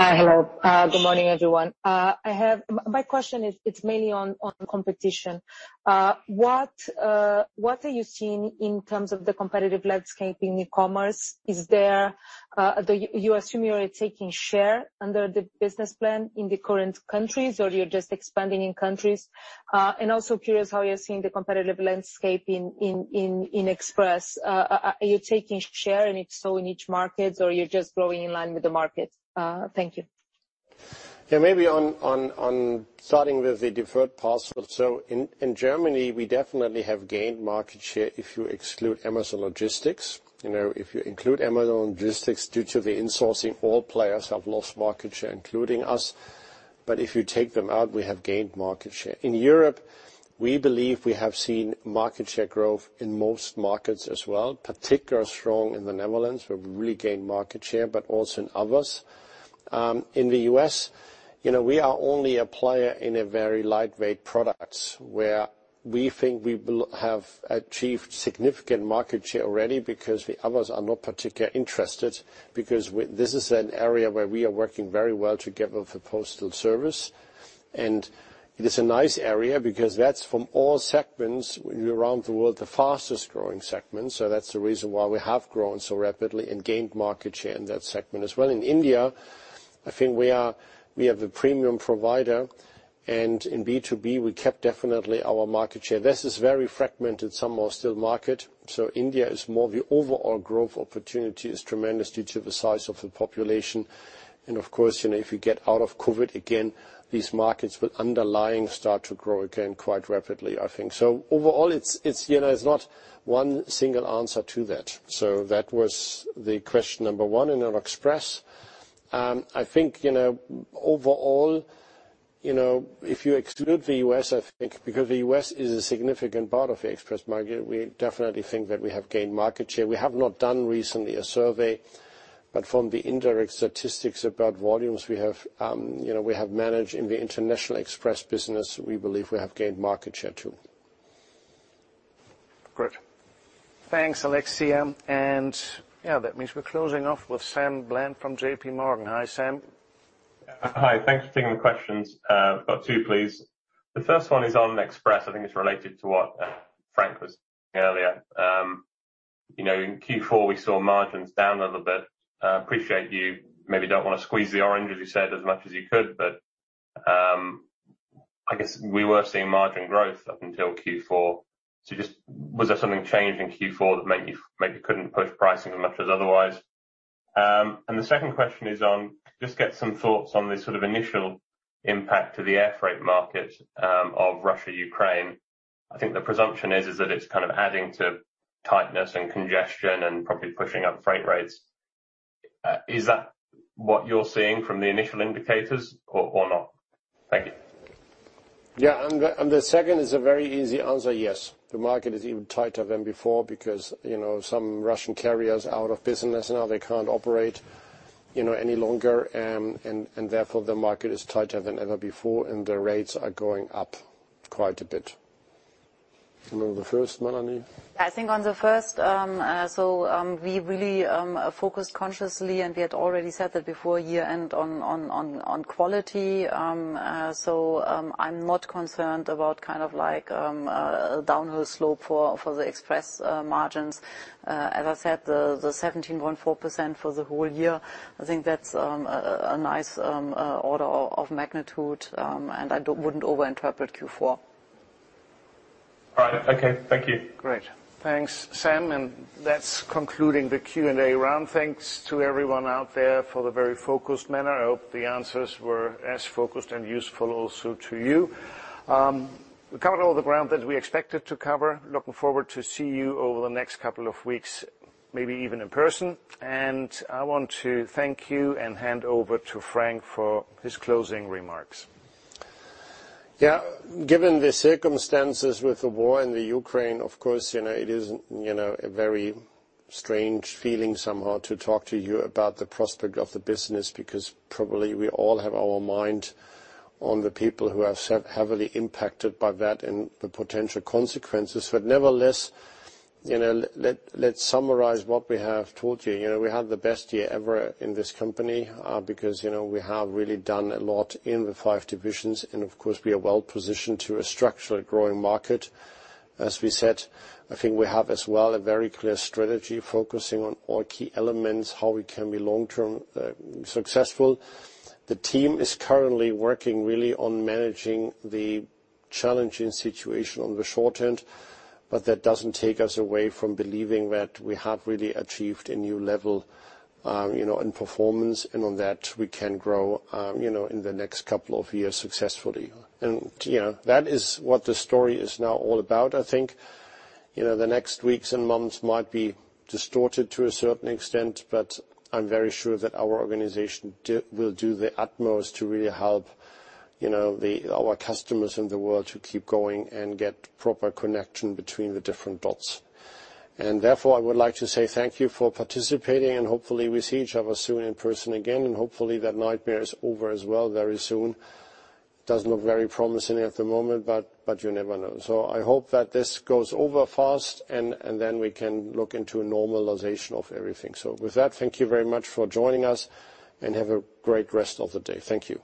Hi. Hello. Good morning, everyone. My question is, it's mainly on competition. What are you seeing in terms of the competitive landscape in e-commerce? You assume you are taking share under the business plan in the current countries, or you're just expanding in countries? Also curious how you're seeing the competitive landscape in Express. Are you taking share, and if so, in each markets, or you're just growing in line with the markets? Thank you. Yeah, maybe on starting with the deferred parcel. In Germany, we definitely have gained market share if you exclude Amazon Logistics. You know, if you include Amazon Logistics due to the insourcing, all players have lost market share, including us. If you take them out, we have gained market share. In Europe, we believe we have seen market share growth in most markets as well. Particularly strong in the Netherlands, where we really gained market share, but also in others. In the U.S., you know, we are only a player in a very lightweight products, where we think we will have achieved significant market share already because the others are not particularly interested. This is an area where we are working very well together with the postal service. It is a nice area because that's from all segments around the world, the fastest growing segment. That's the reason why we have grown so rapidly and gained market share in that segment as well. In India, I think we are the premium provider, and in B2B, we kept definitely our market share. This is very fragmented, somewhat still market. India is more the overall growth opportunity is tremendous due to the size of the population. Of course, you know, if you get out of COVID again, these markets will undoubtedly start to grow again quite rapidly, I think. Overall, it's, you know, it's not one single answer to that. That was the question number one. On Express, I think, you know, overall, you know, if you exclude the U.S., I think because the U.S. is a significant part of the express market, we definitely think that we have gained market share. We have not done recently a survey, but from the indirect statistics about volumes, we have, you know, we have managed in the international express business, we believe we have gained market share too. Great. Thanks, Alexia. Yeah, that means we're closing off with Sam Bland from JPMorgan. Hi, Sam. Hi. Thanks for taking the questions. Got two, please. The first one is on Express. I think it's related to what Frank was saying earlier. You know, in Q4, we saw margins down a little bit. I appreciate you maybe don't wanna squeeze the orange, as you said, as much as you could, but I guess we were seeing margin growth up until Q4. Just, was there something that changed in Q4 that made you maybe couldn't push pricing as much as otherwise? And the second question is on just getting some thoughts on the sort of initial impact to the air freight market of Russia-Ukraine. I think the presumption is that it's kind of adding to tightness and congestion and probably pushing up freight rates. Is that what you're seeing from the initial indicators or not? Thank you. Yeah. The second is a very easy answer, yes. The market is even tighter than before because, you know, some Russian carrier is out of business now. They can't operate, you know, any longer, and therefore, the market is tighter than ever before, and the rates are going up quite a bit. You remember the first, Melanie? I think on the first, we really focused consciously, and we had already said that before year-end on quality. I'm not concerned about kind of like a downhill slope for the express margins. As I said, the 17.4% for the whole year, I think that's a nice order of magnitude, and I wouldn't overinterpret Q4. All right. Okay, thank you. Great. Thanks, Sam, and that's concluding the Q&A round. Thanks to everyone out there for the very focused manner. I hope the answers were as focused and useful also to you. We covered all the ground that we expected to cover. Looking forward to see you over the next couple of weeks, maybe even in person. I want to thank you and hand over to Frank for his closing remarks. Yeah. Given the circumstances with the war in Ukraine, of course, you know, it is, you know, a very strange feeling somehow to talk to you about the prospect of the business, because probably we all have our mind on the people who are so heavily impacted by that and the potential consequences. Nevertheless, you know, let's summarize what we have told you. You know, we had the best year ever in this company, because, you know, we have really done a lot in the five divisions, and of course we are well-positioned to a structurally growing market. As we said, I think we have as well a very clear strategy focusing on all key elements, how we can be long-term successful. The team is currently working really on managing the challenging situation on the short end, but that doesn't take us away from believing that we have really achieved a new level, you know, in performance, and on that we can grow, you know, in the next couple of years successfully. You know, that is what the story is now all about. I think, you know, the next weeks and months might be distorted to a certain extent, but I'm very sure that our organization will do their utmost to really help, you know, our customers in the world to keep going and get proper connection between the different dots. Therefore, I would like to say thank you for participating, and hopefully we see each other soon in person again, and hopefully that nightmare is over as well very soon. Doesn't look very promising at the moment, but you never know. I hope that this goes over fast and then we can look into a normalization of everything. With that, thank you very much for joining us and have a great rest of the day. Thank you.